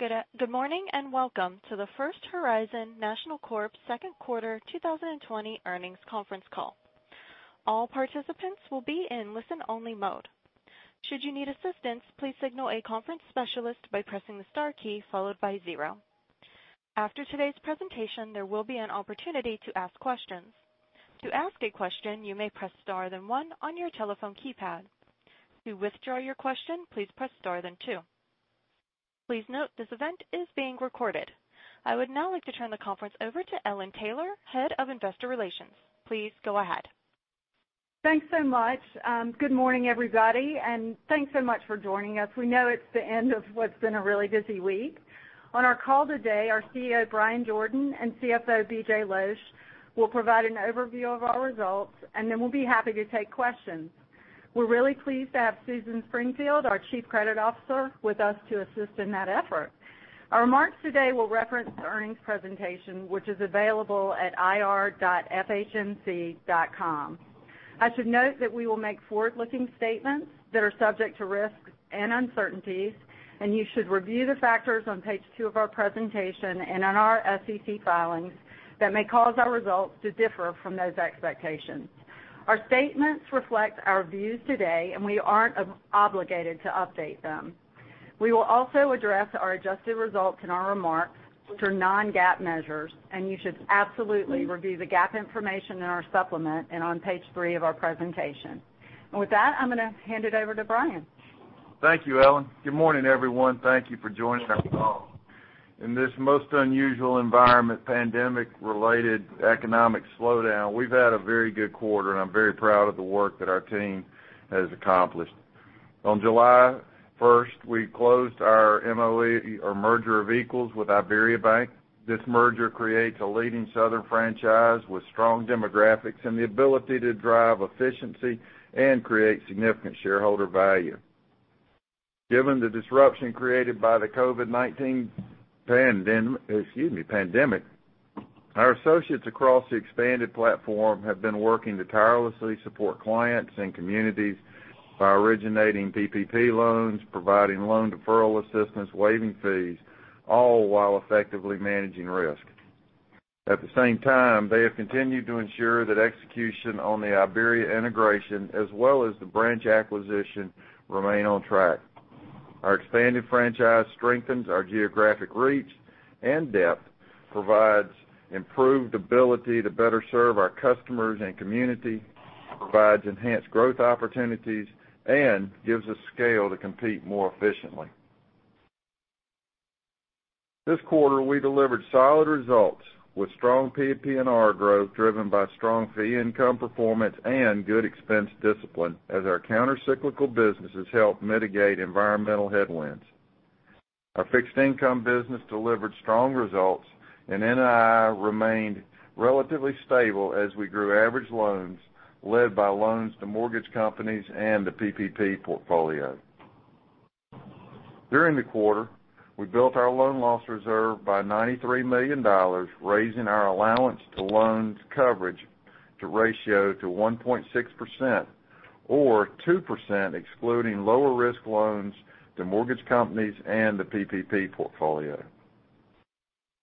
Good morning, and welcome to the First Horizon National Corp second quarter 2020 earnings conference call. All participants will be in listen-only mode. Should you need assistance, please signal a conference specialist by pressing the star key followed by zero. After today's presentation, there will be an opportunity to ask questions. To ask a question, you may press star then one on your telephone keypad. To withdraw your question, please press star then two. Please note this event is being recorded. I would now like to turn the conference over to Ellen Taylor, Head of Investor Relations. Please go ahead. Thanks so much. Good morning, everybody, and thanks so much for joining us. We know it's the end of what's been a really busy week. On our call today, our CEO, Bryan Jordan, and CFO, William Losch, will provide an overview of our results. Then we'll be happy to take questions. We're really pleased to have Susan Springfield, our Chief Credit Officer, with us to assist in that effort. Our remarks today will reference the earnings presentation, which is available at ir.fhnc.com. I should note that we will make forward-looking statements that are subject to risks and uncertainties. You should review the factors on page two of our presentation and in our SEC filings that may cause our results to differ from those expectations. Our statements reflect our views today, and we aren't obligated to update them. We will also address our adjusted results in our remarks, which are non-GAAP measures. You should absolutely review the GAAP information in our supplement and on page three of our presentation. With that, I'm going to hand it over to Bryan. Thank you, Ellen. Good morning, everyone. Thank you for joining our call. In this most unusual environment, pandemic-related economic slowdown, we've had a very good quarter, and I'm very proud of the work that our team has accomplished. On July 1st, we closed our MOE or merger of equals with IBERIABANK. This merger creates a leading southern franchise with strong demographics and the ability to drive efficiency and create significant shareholder value. Given the disruption created by the COVID-19 pandemic, our associates across the expanded platform have been working to tirelessly support clients and communities by originating PPP loans, providing loan deferral assistance, waiving fees, all while effectively managing risk. At the same time, they have continued to ensure that execution on the IBERIABANK integration as well as the branch acquisition remain on track. Our expanded franchise strengthens our geographic reach and depth, provides improved ability to better serve our customers and community, provides enhanced growth opportunities, and gives us scale to compete more efficiently. This quarter, we delivered solid results with strong PPNR growth, driven by strong fee income performance and good expense discipline as our countercyclical businesses help mitigate environmental headwinds. Our fixed income business delivered strong results, and NII remained relatively stable as we grew average loans led by loans to mortgage companies and the PPP portfolio. During the quarter, we built our loan loss reserve by $93 million, raising our allowance to loans coverage ratio to 1.6% or 2% excluding lower risk loans to mortgage companies and the PPP portfolio.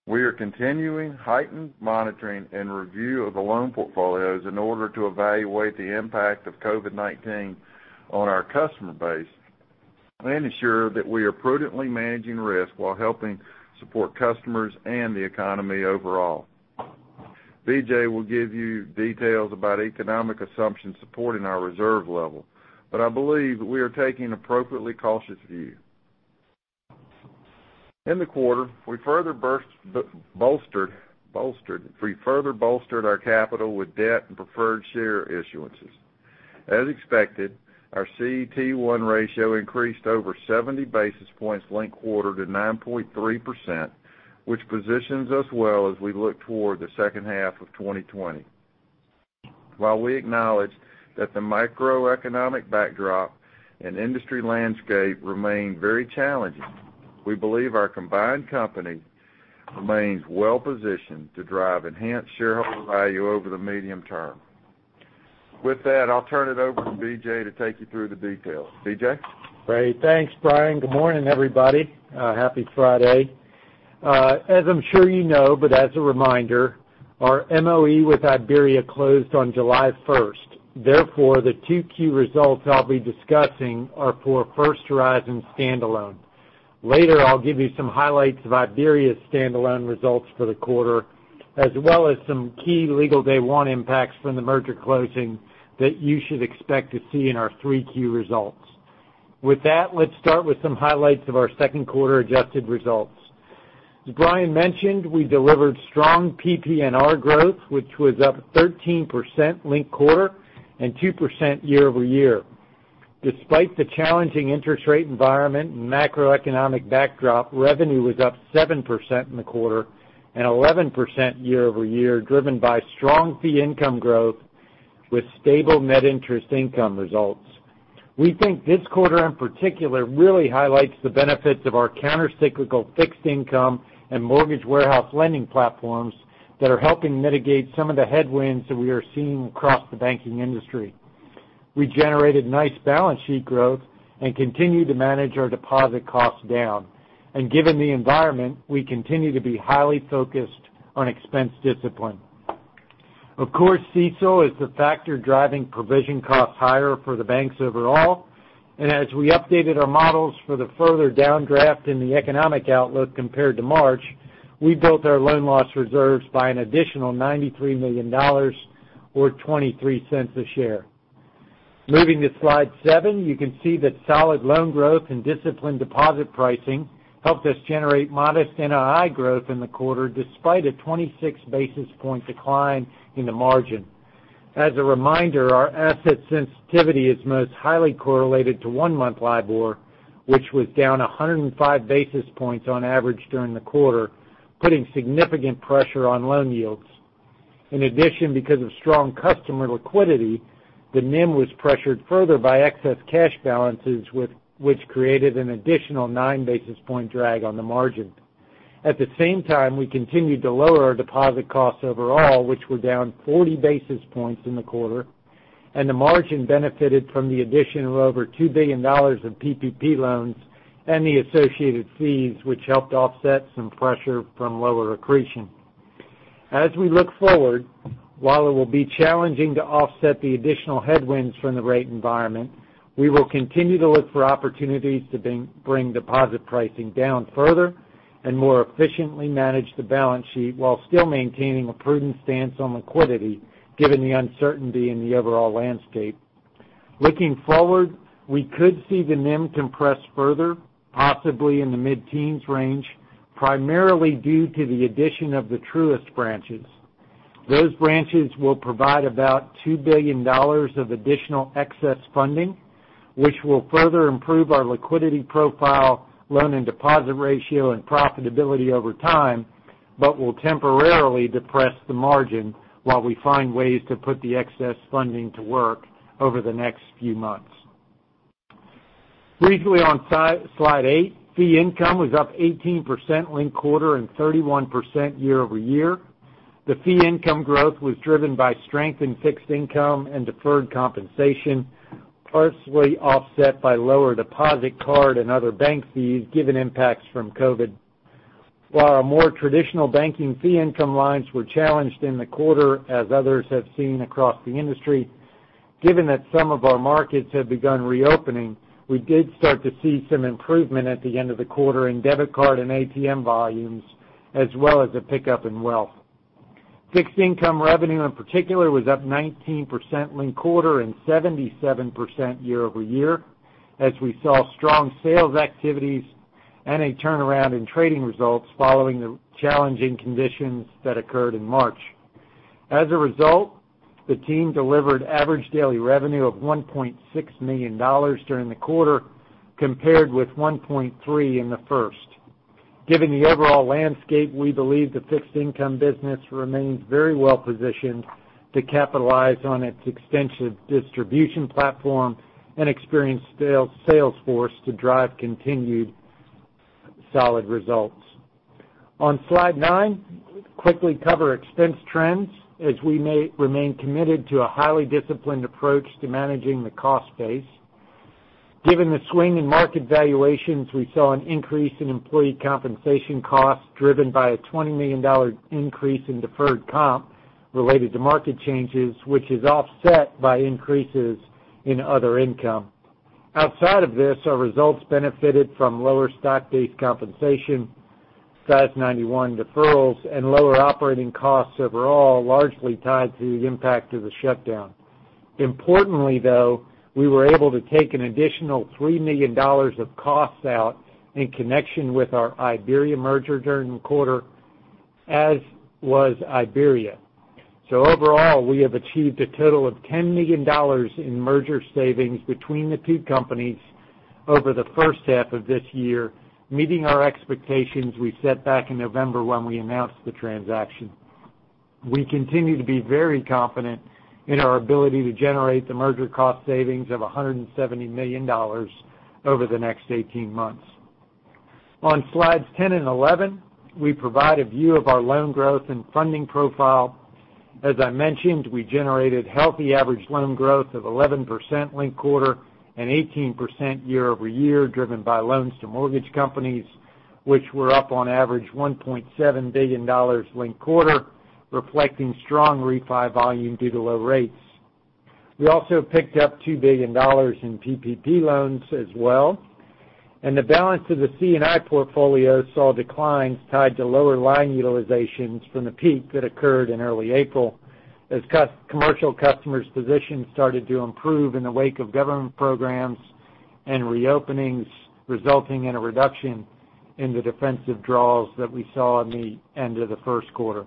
We are continuing heightened monitoring and review of the loan portfolios in order to evaluate the impact of COVID-19 on our customer base and ensure that we are prudently managing risk while helping support customers and the economy overall. B.J. will give you details about economic assumptions supporting our reserve level. I believe we are taking an appropriately cautious view. In the quarter, we further bolstered our capital with debt and preferred share issuances. As expected, our CET1 ratio increased over 70 basis points linked quarter to 9.3%, which positions us well as we look toward the second half of 2020. While we acknowledge that the macroeconomic backdrop and industry landscape remain very challenging, we believe our combined company remains well-positioned to drive enhanced shareholder value over the medium term. With that, I'll turn it over to B.J. to take you through the details. B.J.? Great. Thanks, Bryan. Good morning, everybody. Happy Friday. As I'm sure you know, but as a reminder, our MOE with IBERIABANK closed on July 1st. Therefore, the 2Q results I'll be discussing are for First Horizon standalone. Later, I'll give you some highlights of IBERIABANK's standalone results for the quarter, as well as some key legal day one impacts from the merger closing that you should expect to see in our 3Q results. With that, let's start with some highlights of our second quarter adjusted results. As Bryan mentioned, we delivered strong PPNR growth, which was up 13% linked-quarter and 2% year-over-year. Despite the challenging interest rate environment and macroeconomic backdrop, revenue was up 7% in the quarter and 11% year-over-year, driven by strong fee income growth with stable net interest income results. We think this quarter in particular really highlights the benefits of our countercyclical fixed income and mortgage warehouse lending platforms that are helping mitigate some of the headwinds that we are seeing across the banking industry. We generated nice balance sheet growth and continued to manage our deposit costs down. Given the environment, we continue to be highly focused on expense discipline. Of course, CECL is the factor driving provision costs higher for the banks overall. As we updated our models for the further downdraft in the economic outlook compared to March, we built our loan loss reserves by an additional $93 million, or $0.23 a share. Moving to slide seven, you can see that solid loan growth and disciplined deposit pricing helped us generate modest NII growth in the quarter, despite a 26-basis point decline in the margin. As a reminder, our asset sensitivity is most highly correlated to one-month LIBOR, which was down 105 basis points on average during the quarter, putting significant pressure on loan yields. In addition, because of strong customer liquidity, the NIM was pressured further by excess cash balances, which created an additional nine basis point drag on the margin. At the same time, we continued to lower our deposit costs overall, which were down 40 basis points in the quarter, and the margin benefited from the addition of over $2 billion of PPP loans and the associated fees, which helped offset some pressure from lower accretion. As we look forward, while it will be challenging to offset the additional headwinds from the rate environment, we will continue to look for opportunities to bring deposit pricing down further and more efficiently manage the balance sheet while still maintaining a prudent stance on liquidity, given the uncertainty in the overall landscape. Looking forward, we could see the NIM compress further, possibly in the mid-teens range, primarily due to the addition of the Truist branches. Those branches will provide about $2 billion of additional excess funding, which will further improve our liquidity profile, loan and deposit ratio, and profitability over time, but will temporarily depress the margin while we find ways to put the excess funding to work over the next few months. Briefly on slide eight, fee income was up 18% linked quarter and 31% year-over-year. The fee income growth was driven by strength in fixed income and deferred compensation, partially offset by lower deposit card and other bank fees, given impacts from COVID-19. While our more traditional banking fee income lines were challenged in the quarter, as others have seen across the industry, given that some of our markets have begun reopening, we did start to see some improvement at the end of the quarter in debit card and ATM volumes, as well as a pickup in wealth. Fixed income revenue, in particular, was up 19% linked-quarter and 77% year-over-year, as we saw strong sales activities and a turnaround in trading results following the challenging conditions that occurred in March. As a result, the team delivered average daily revenue of $1.6 million during the quarter, compared with $1.3 in the first. Given the overall landscape, we believe the fixed income business remains very well positioned to capitalize on its extensive distribution platform and experienced sales force to drive continued solid results. On slide nine, quickly cover expense trends, as we remain committed to a highly disciplined approach to managing the cost base. Given the swing in market valuations, we saw an increase in employee compensation costs driven by a $20 million increase in deferred comp related to market changes, which is offset by increases in other income. Outside of this, our results benefited from lower stock-based compensation, FAS 91 deferrals, and lower operating costs overall, largely tied to the impact of the shutdown. Importantly, though, we were able to take an additional $3 million of costs out in connection with our IBERIABANK merger during the quarter, as was IBERIABANK. Overall, we have achieved a total of $10 million in merger savings between the two companies over the first half of this year, meeting our expectations we set back in November when we announced the transaction. We continue to be very confident in our ability to generate the merger cost savings of $170 million over the next 18 months. On slides 10 and 11, we provide a view of our loan growth and funding profile. As I mentioned, we generated healthy average loan growth of 11% linked-quarter and 18% year-over-year, driven by loans to mortgage companies, which were up on average $1.7 billion linked-quarter, reflecting strong refi volume due to low rates. We also picked up $2 billion in PPP loans as well. The balance of the C&I portfolio saw declines tied to lower line utilizations from the peak that occurred in early April as commercial customers' positions started to improve in the wake of government programs and reopenings, resulting in a reduction in the defensive draws that we saw in the end of the first quarter.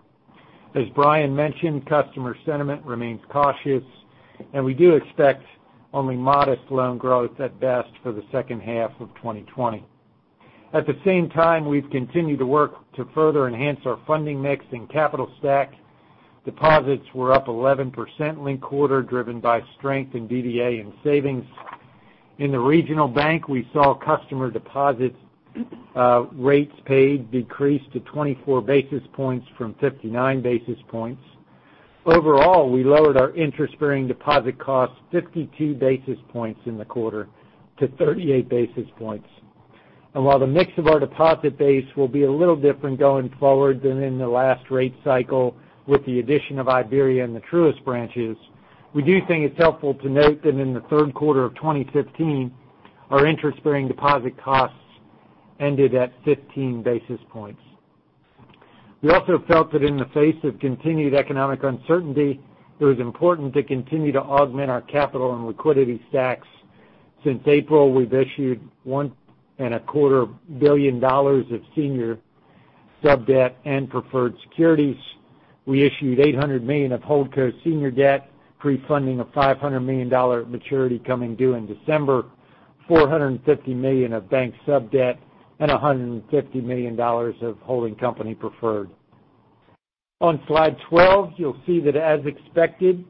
As Bryan mentioned, customer sentiment remains cautious, and we do expect only modest loan growth at best for the second half of 2020. At the same time, we've continued to work to further enhance our funding mix and capital stack. Deposits were up 11% linked quarter, driven by strength in DDA and savings. In the regional bank, we saw customer deposits rates paid decrease to 24 basis points from 59 basis points. Overall, we lowered our interest-bearing deposit costs 52 basis points in the quarter to 38 basis points. While the mix of our deposit base will be a little different going forward than in the last rate cycle, with the addition of IBERIABANK and the Truist branches, we do think it's helpful to note that in the third quarter of 2015, our interest-bearing deposit costs ended at 15 basis points. We also felt that in the face of continued economic uncertainty, it was important to continue to augment our capital and liquidity stacks. Since April, we've issued $1.25 billion of senior sub-debt and preferred securities. We issued $800 million of holdco senior debt, prefunding a $500 million maturity coming due in December, $450 million of bank sub-debt, and $150 million of holding company preferred. On Slide 12, you'll see that as expected,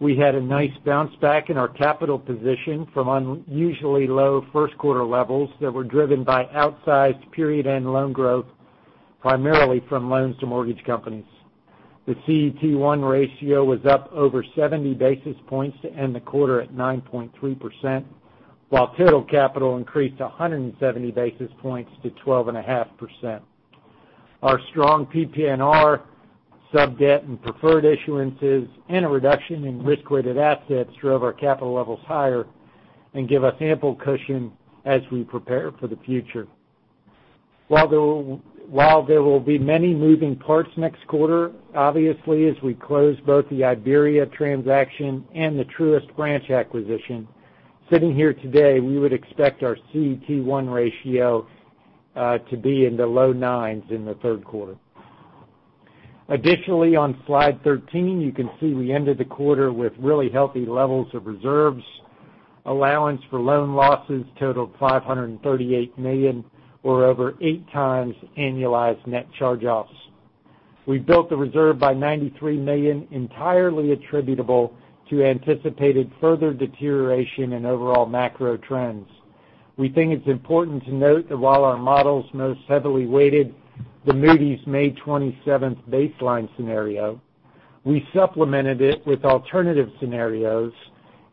we had a nice bounce back in our capital position from unusually low first quarter levels that were driven by outsized period and loan growth, primarily from loans to mortgage companies. The CET1 ratio was up over 70 basis points to end the quarter at 9.3%, while total capital increased 170 basis points to 12.5%. Our strong PPNR, sub-debt and preferred issuances, and a reduction in risk-weighted assets drove our capital levels higher and give us ample cushion as we prepare for the future. While there will be many moving parts next quarter, obviously, as we close both the IBERIABANK transaction and the Truist branch acquisition, sitting here today, we would expect our CET1 ratio to be in the low nines in the third quarter. Additionally, on Slide 13, you can see we ended the quarter with really healthy levels of reserves. Allowance for loan losses totaled $538 million, or over eight times annualized net charge-offs. We built the reserve by $93 million, entirely attributable to anticipated further deterioration in overall macro trends. We think it's important to note that while our models most heavily weighted the Moody's May 27th baseline scenario, we supplemented it with alternative scenarios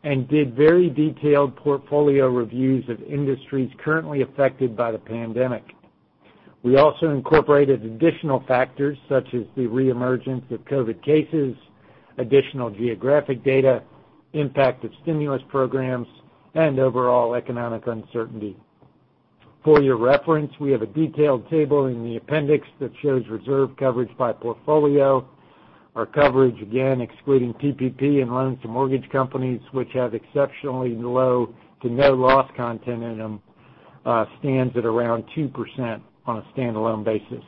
and did very detailed portfolio reviews of industries currently affected by the pandemic. We also incorporated additional factors such as the reemergence of COVID cases, additional geographic data, impact of stimulus programs, and overall economic uncertainty. For your reference, we have a detailed table in the appendix that shows reserve coverage by portfolio. Our coverage, again, excluding PPP and loans to mortgage companies, which have exceptionally low to no loss content in them, stands at around 2% on a standalone basis.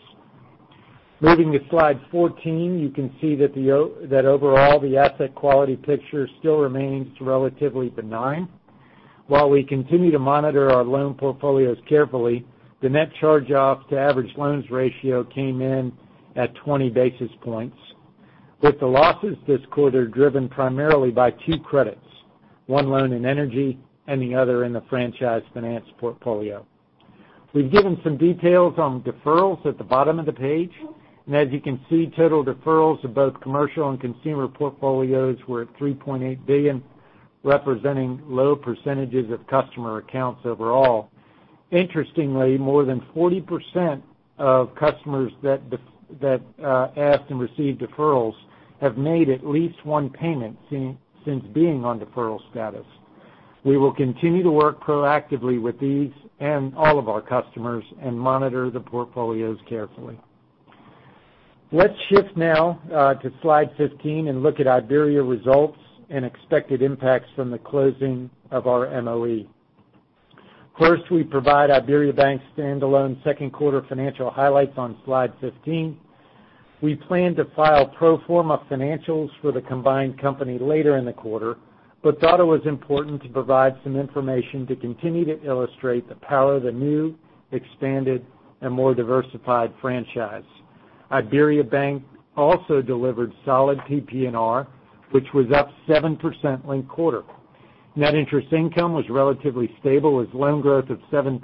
Moving to slide 14, you can see that overall, the asset quality picture still remains relatively benign. While we continue to monitor our loan portfolios carefully, the net charge-off to average loans ratio came in at 20 basis points, with the losses this quarter driven primarily by two credits, one loan in energy and the other in the franchise finance portfolio. We've given some details on deferrals at the bottom of the page. As you can see, total deferrals of both commercial and consumer portfolios were at $3.8 billion, representing low percentages of customer accounts overall. Interestingly, more than 40% of customers that asked and received deferrals have made at least one payment since being on deferral status. We will continue to work proactively with these and all of our customers and monitor the portfolios carefully. Let's shift now to slide 15 and look at IBERIABANK results and expected impacts from the closing of our MOE. First, we provide IBERIABANK's standalone second quarter financial highlights on slide 15. We plan to file pro forma financials for the combined company later in the quarter, but thought it was important to provide some information to continue to illustrate the power of the new, expanded, and more diversified franchise. IBERIABANK also delivered solid PPNR, which was up 7% linked quarter. Net interest income was relatively stable as loan growth of 7%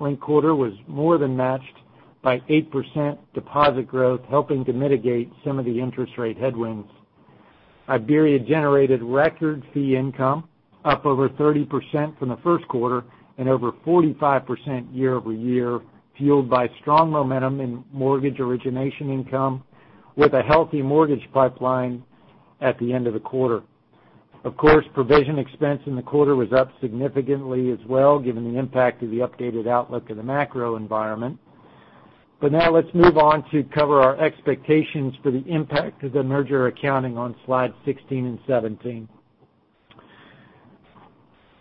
linked quarter was more than matched by 8% deposit growth, helping to mitigate some of the interest rate headwinds. IBERIABANK generated record fee income up over 30% from the first quarter and over 45% year-over-year, fueled by strong momentum in mortgage origination income with a healthy mortgage pipeline at the end of the quarter. Of course, provision expense in the quarter was up significantly as well, given the impact of the updated outlook of the macro environment. Now let's move on to cover our expectations for the impact of the merger accounting on slide 16 and 17.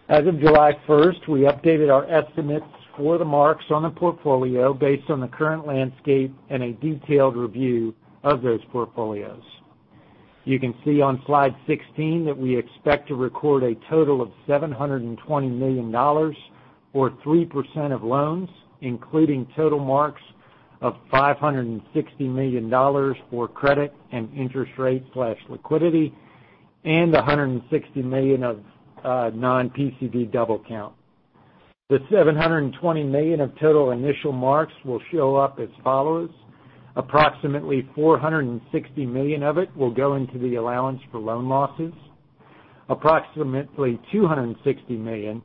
As of July 1st, we updated our estimates for the marks on the portfolio based on the current landscape and a detailed review of those portfolios. You can see on slide 16 that we expect to record a total of $720 million, or 3% of loans, including total marks of $560 million for credit and interest rate/liquidity, and $160 million of non-PCD double count. The $720 million of total initial marks will show up as follows: approximately $460 million of it will go into the allowance for loan losses. Approximately $260 million,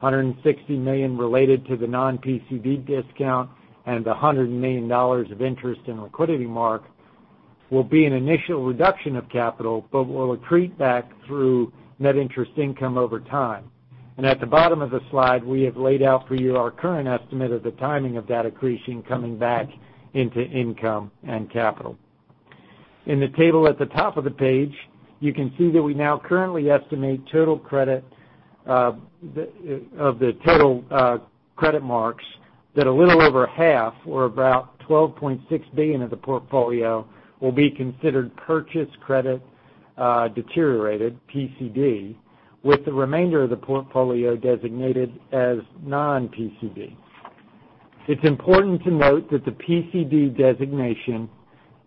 $160 million related to the non-PCD discount, and $100 million of interest in liquidity mark will be an initial reduction of capital but will accrete back through net interest income over time. At the bottom of the slide, we have laid out for you our current estimate of the timing of that accretion coming back into income and capital. In the table at the top of the page, you can see that we now currently estimate of the total credit marks that a little over half or about $12.6 billion of the portfolio will be considered purchase credit deteriorated, PCD, with the remainder of the portfolio designated as non-PCD. It's important to note that the PCD designation,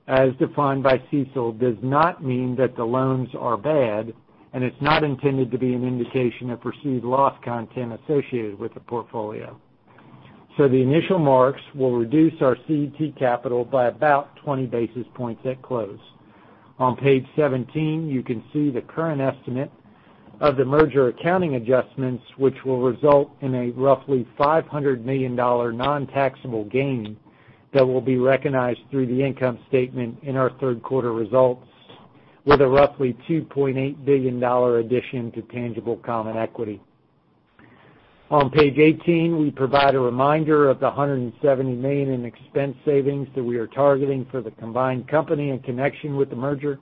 as defined by CECL, does not mean that the loans are bad, and it's not intended to be an indication of perceived loss content associated with the portfolio. The initial marks will reduce our CET capital by about 20 basis points at close. On page 17, you can see the current estimate of the merger accounting adjustments, which will result in a roughly $500 million nontaxable gain that will be recognized through the income statement in our third quarter results, with a roughly $2.8 billion addition to tangible common equity. On page 18, we provide a reminder of the $170 million in expense savings that we are targeting for the combined company in connection with the merger.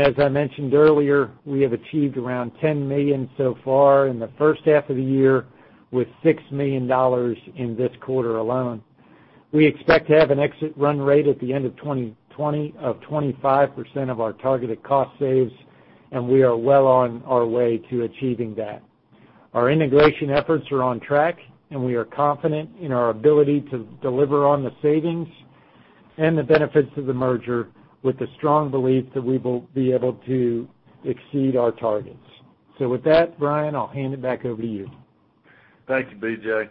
As I mentioned earlier, we have achieved around $10 million so far in the first half of the year, with $6 million in this quarter alone. We expect to have an exit run rate at the end of 2020 of 25% of our targeted cost saves, and we are well on our way to achieving that. Our integration efforts are on track, and we are confident in our ability to deliver on the savings and the benefits of the merger with the strong belief that we will be able to exceed our targets. With that, Bryan, I'll hand it back over to you. Thank you, B.J.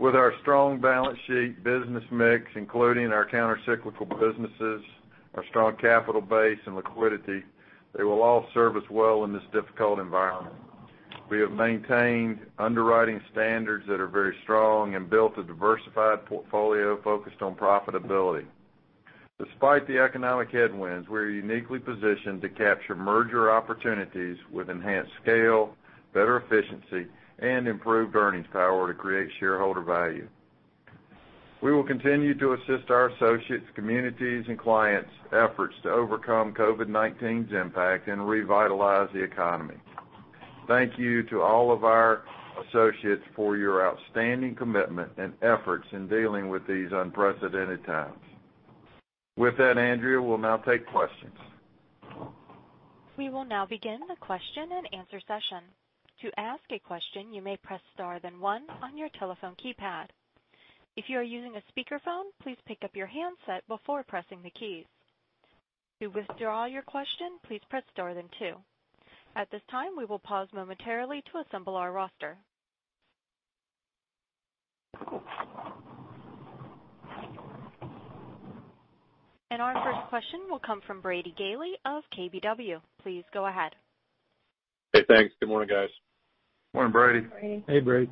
With our strong balance sheet business mix, including our counter-cyclical businesses, our strong capital base, and liquidity, they will all serve us well in this difficult environment. We have maintained underwriting standards that are very strong and built a diversified portfolio focused on profitability. Despite the economic headwinds, we're uniquely positioned to capture merger opportunities with enhanced scale, better efficiency, and improved earnings power to create shareholder value. We will continue to assist our associates, communities, and clients' efforts to overcome COVID-19's impact and revitalize the economy. Thank you to all of our associates for your outstanding commitment and efforts in dealing with these unprecedented times. With that, Andrea, we'll now take questions. We will now begin the question and answer session. To ask a question, you may press star then one on your telephone keypad. If you are using a speakerphone, please pick up your handset before pressing the keys. To withdraw your question, please press star then two. At this time, we will pause momentarily to assemble our roster. Our first question will come from Brady Gailey of KBW. Please go ahead. Hey, thanks. Good morning, guys. Morning, Brady. Morning. Hey, Brady.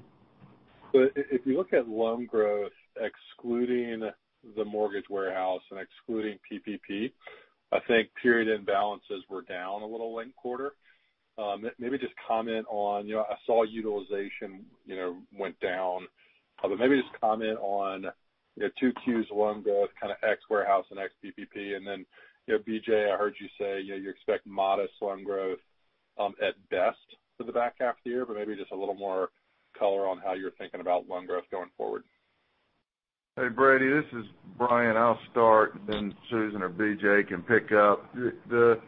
If you look at loan growth, excluding the mortgage warehouse and excluding PPP, I think period-end balances were down a little late quarter. I saw utilization went down. Maybe just comment on 2Qs, loan growth, kind of ex-warehouse and ex-PPP, and then, BJ, I heard you say you expect modest loan growth at best for the back half of the year, but maybe just a little more color on how you're thinking about loan growth going forward. Hey, Brady, this is Bryan. I'll start, then Susan or BJ can pick up. The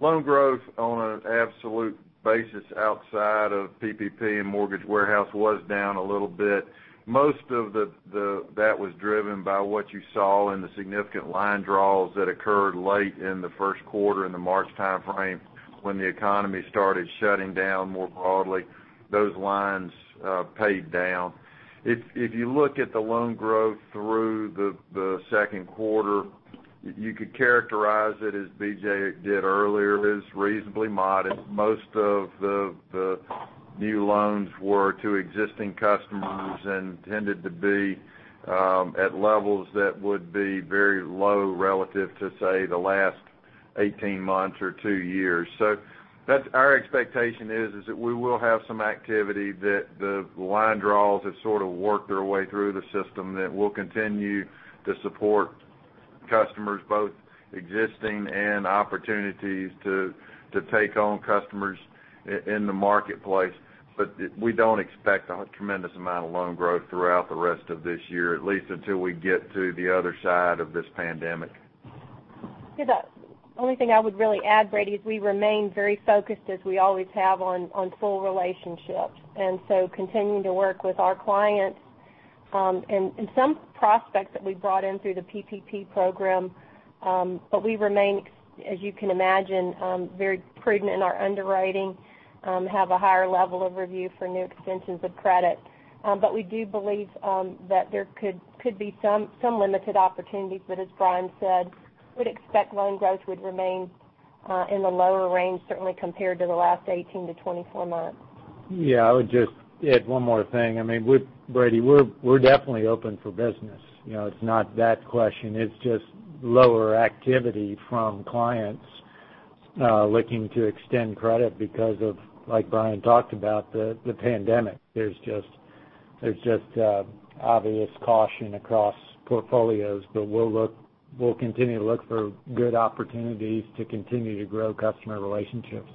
loan growth on an absolute basis outside of PPP and mortgage warehouse was down a little bit. Most of that was driven by what you saw in the significant line draws that occurred late in the first quarter in the March timeframe when the economy started shutting down more broadly. Those lines paid down. If you look at the loan growth through the second quarter, you could characterize it as BJ did earlier, as reasonably modest. Most of the new loans were to existing customers and tended to be at levels that would be very low relative to, say, the last 18 months or two years. Our expectation is that we will have some activity, that the line draws have sort of worked their way through the system, that we'll continue to support customers, both existing and opportunities to take on customers in the marketplace. We don't expect a tremendous amount of loan growth throughout the rest of this year, at least until we get to the other side of this pandemic. The only thing I would really add, Brady, is we remain very focused as we always have on full relationships, continuing to work with our clients, and some prospects that we brought in through the PPP program. We remain, as you can imagine, very prudent in our underwriting, have a higher level of review for new extensions of credit. We do believe that there could be some limited opportunities, but as Bryan said, we'd expect loan growth would remain in the lower range, certainly compared to the last 18-24 months. Yeah, I would just add one more thing. Brady, we're definitely open for business. It's not that question. It's just lower activity from clients looking to extend credit because of, like Bryan talked about, the pandemic. There's just obvious caution across portfolios. We'll continue to look for good opportunities to continue to grow customer relationships.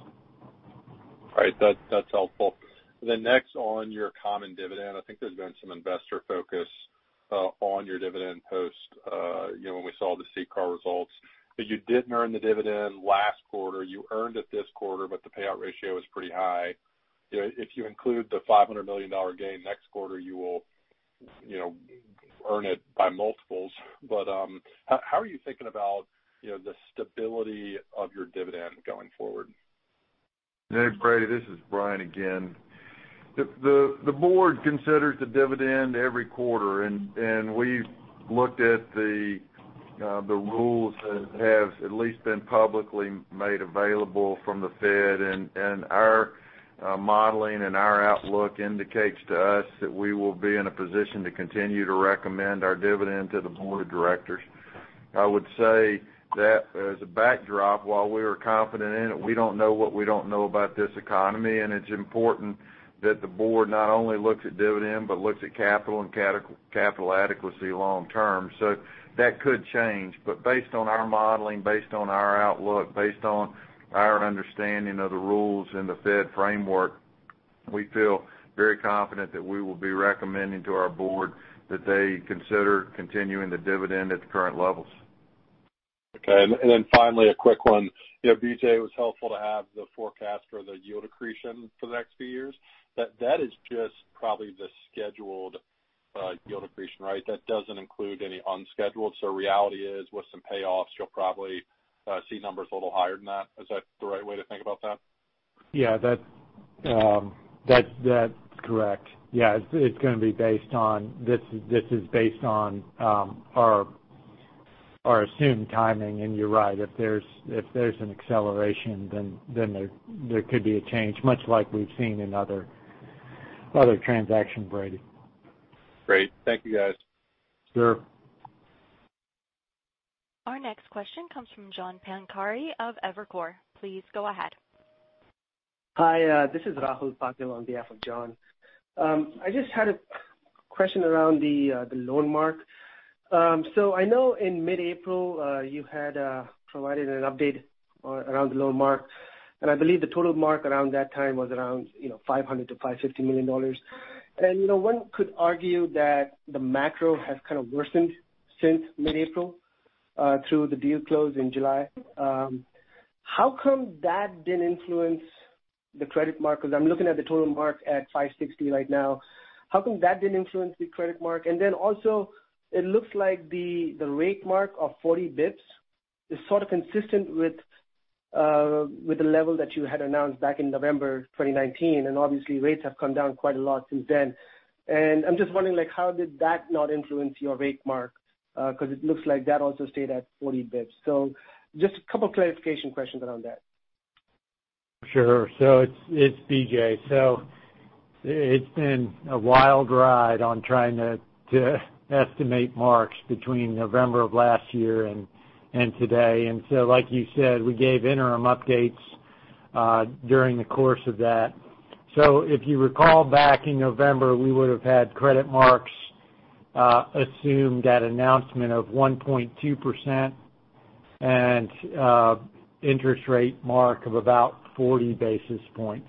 Right. That's helpful. Next, on your common dividend, I think there's been some investor focus on your dividend post when we saw the CCAR results. You did earn the dividend last quarter, you earned it this quarter, but the payout ratio is pretty high. If you include the $500 million gain next quarter, you will earn it by multiples. How are you thinking about the stability of your dividend going forward? Hey, Brady, this is Bryan again. The board considers the dividend every quarter, and we've looked at the rules that have at least been publicly made available from the Fed, and our modeling and our outlook indicates to us that we will be in a position to continue to recommend our dividend to the board of directors. I would say that as a backdrop, while we are confident in it, we don't know what we don't know about this economy, and it's important that the board not only looks at dividend, but looks at capital and capital adequacy long term. That could change. Based on our modeling, based on our outlook, based on our understanding of the rules and the Fed framework, we feel very confident that we will be recommending to our board that they consider continuing the dividend at the current levels. Okay. Finally, a quick one. BJ, it was helpful to have the forecast for the yield accretion for the next few years. That is just probably the scheduled yield accretion, right? That doesn't include any unscheduled. Reality is, with some payoffs, you'll probably see numbers a little higher than that. Is that the right way to think about that? Yeah. That's correct. Yeah, this is based on our assumed timing, and you're right. If there's an acceleration, then there could be a change, much like we've seen in other transactions, Brady. Great. Thank you, guys. Sure. Our next question comes from John Pancari of Evercore. Please go ahead. Hi. This is Rahul Patil on behalf of John. I just had a question around the loan mark. I know in mid-April, you had provided an update around the loan mark, and I believe the total mark around that time was around $500 million-$550 million. One could argue that the macro has kind of worsened since mid-April through the deal close in July. How come that didn't influence the credit mark? I'm looking at the total mark at $560 right now. How come that didn't influence the credit mark? It looks like the rate mark of 40 basis points is sort of consistent with the level that you had announced back in November 2019, and obviously rates have come down quite a lot since then. I'm just wondering, how did that not influence your rate mark? It looks like that also stayed at 40 basis points. Just a couple clarification questions around that. Sure. It's BJ. It's been a wild ride on trying to estimate marks between November of last year and today. Like you said, we gave interim updates during the course of that. If you recall back in November, we would've had credit marks assumed at announcement of 1.2% and interest rate mark of about 40 basis points.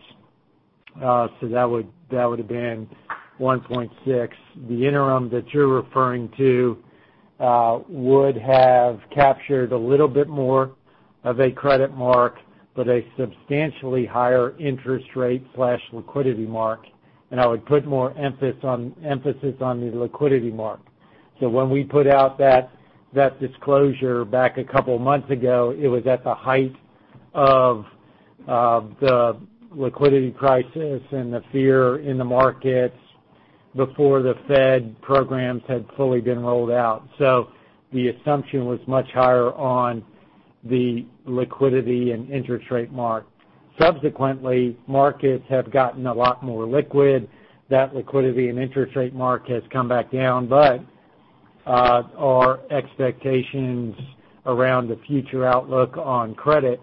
That would've been 1.6%. The interim that you're referring to would have captured a little bit more of a credit mark, but a substantially higher interest rate/liquidity mark, and I would put more emphasis on the liquidity mark. When we put out that disclosure back a couple of months ago, it was at the height of the liquidity crisis and the fear in the markets before the Fed programs had fully been rolled out. The assumption was much higher on the liquidity and interest rate mark. Subsequently, markets have gotten a lot more liquid. That liquidity and interest rate mark has come back down, but our expectations around the future outlook on credit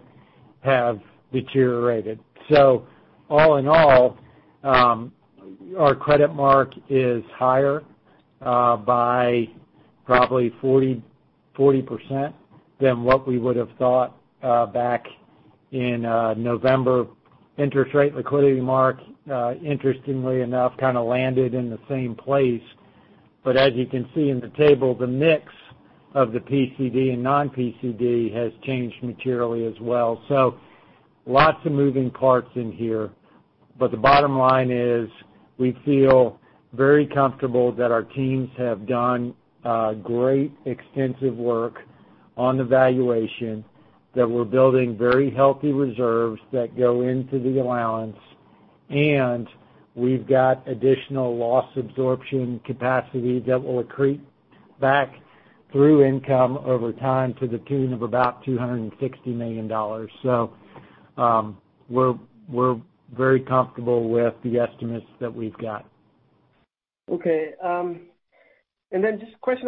have deteriorated. All in all, our credit mark is higher by probably 40% than what we would've thought back in November. Interest rate liquidity mark, interestingly enough, kind of landed in the same place. As you can see in the table, the mix of the PCD and non-PCD has changed materially as well. Lots of moving parts in here, but the bottom line is we feel very comfortable that our teams have done great extensive work on the valuation, that we're building very healthy reserves that go into the allowance, and we've got additional loss absorption capacity that will accrete back through income over time to the tune of about $260 million. We're very comfortable with the estimates that we've got. Okay. Just a question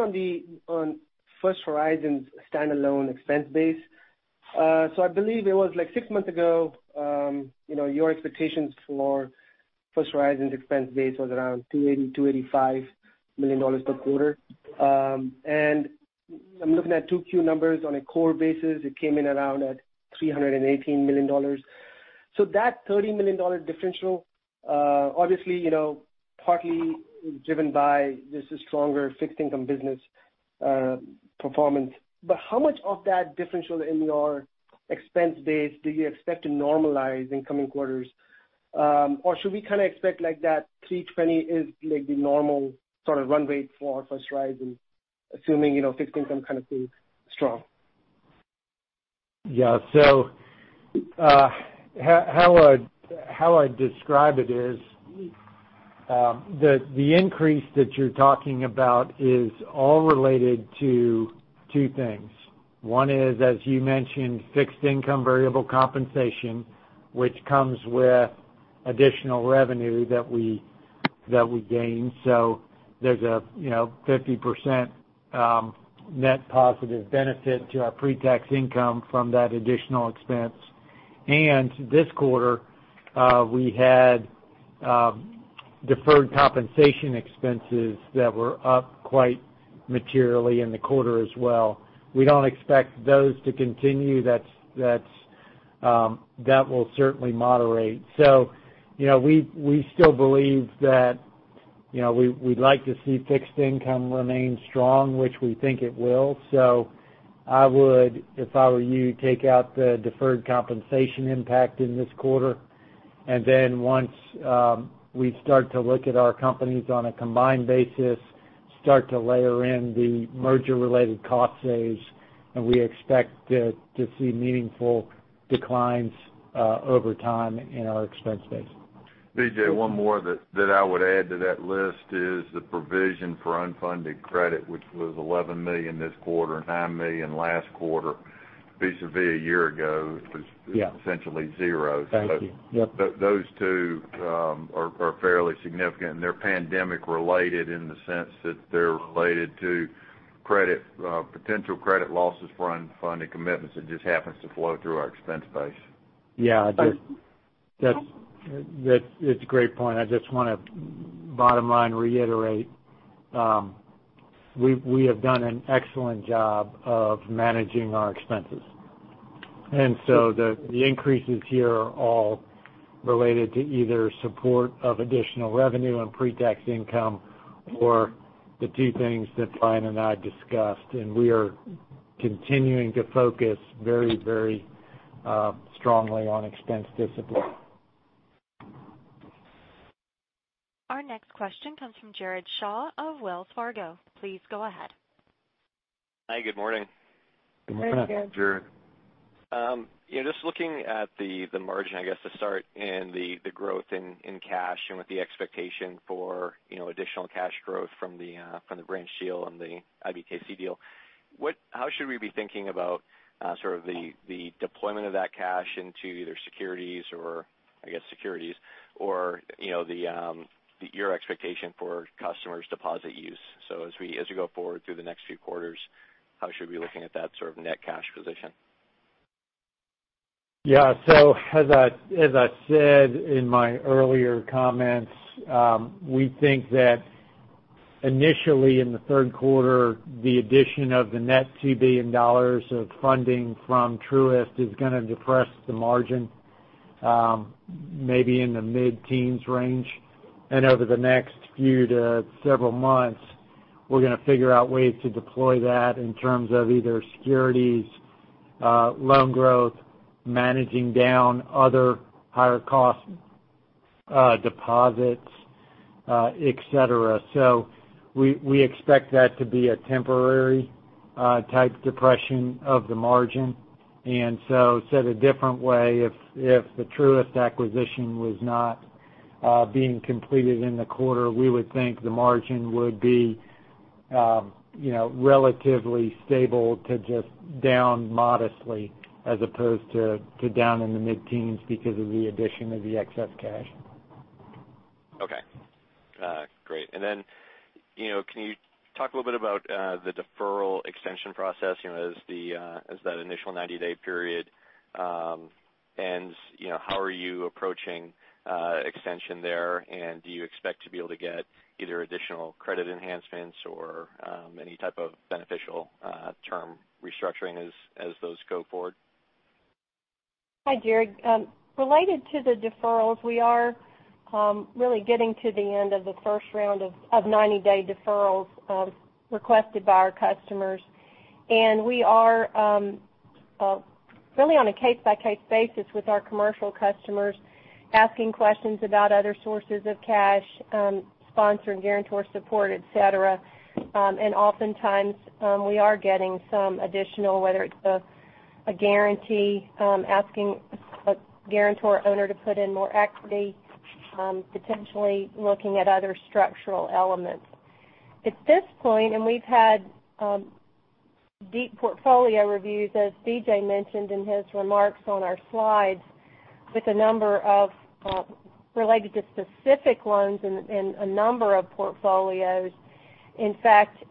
on First Horizon's standalone expense base. I believe it was six months ago, your expectations for First Horizon's expense base was around $280, $285 million per quarter. I'm looking at 2Q numbers on a core basis. It came in around at $318 million. That $30 million differential, obviously partly driven by just a stronger fixed income business performance. How much of that differential in your expense base do you expect to normalize in coming quarters? Should we kind of expect that 320 is the normal sort of run rate for First Horizon, assuming fixed income kind of stays strong? Yeah. How I'd describe it is, the increase that you're talking about is all related to two things. One is, as you mentioned, fixed income variable compensation, which comes with additional revenue that we gain. There's a 50% net positive benefit to our pre-tax income from that additional expense. This quarter, we had deferred compensation expenses that were up quite materially in the quarter as well. We don't expect those to continue. That will certainly moderate. We still believe that we'd like to see fixed income remain strong, which we think it will. I would, if I were you, take out the deferred compensation impact in this quarter. Once we start to look at our companies on a combined basis, start to layer in the merger related cost saves, we expect to see meaningful declines over time in our expense base. BJ, one more that I would add to that list is the provision for unfunded credit, which was $11 million this quarter, $9 million last quarter, vis-a-vis a year ago, it was essentially zero. Thank you. Yep. Those two are fairly significant. They're pandemic related in the sense that they're related to potential credit losses for unfunded commitments that just happens to flow through our expense base. Yeah. That's a great point. I just want to bottom line reiterate, we have done an excellent job of managing our expenses. The increases here are all related to either support of additional revenue and pre-tax income or the two things that Bryan and I discussed. We are continuing to focus very strongly on expense discipline. Our next question comes from Jared Shaw of Wells Fargo. Please go ahead. Hi, good morning. Good morning. Jared. Just looking at the margin, I guess, to start and the growth in cash and with the expectation for additional cash growth from the branch deal and the IBKC deal, how should we be thinking about sort of the deployment of that cash into either securities or, I guess, securities, or your expectation for customers' deposit use? As we go forward through the next few quarters, how should we be looking at that sort of net cash position? As I said in my earlier comments, we think that initially in the third quarter, the addition of the net $2 billion of funding from Truist is going to depress the margin, maybe in the mid-teens range. Over the next few to several months, we're going to figure out ways to deploy that in terms of either securities, loan growth, managing down other higher cost deposits, et cetera. We expect that to be a temporary type depression of the margin. Said a different way, if the Truist acquisition was not being completed in the quarter, we would think the margin would be relatively stable to just down modestly as opposed to down in the mid-teens because of the addition of the excess cash. Okay. Great. Can you talk a little bit about the deferral extension process as that initial 90-day period ends, how are you approaching extension there, and do you expect to be able to get either additional credit enhancements or any type of beneficial term restructuring as those go forward? Hi, Jared. Related to the deferrals, we are really getting to the end of the first round of 90-day deferrals requested by our customers. We are really on a case-by-case basis with our commercial customers, asking questions about other sources of cash, sponsor and guarantor support, et cetera. Oftentimes, we are getting some additional, whether it's a guarantee, asking a guarantor owner to put in more equity, potentially looking at other structural elements. At this point, we've had deep portfolio reviews, as B.J. mentioned in his remarks on our slides, related to specific loans in a number of portfolios. In fact,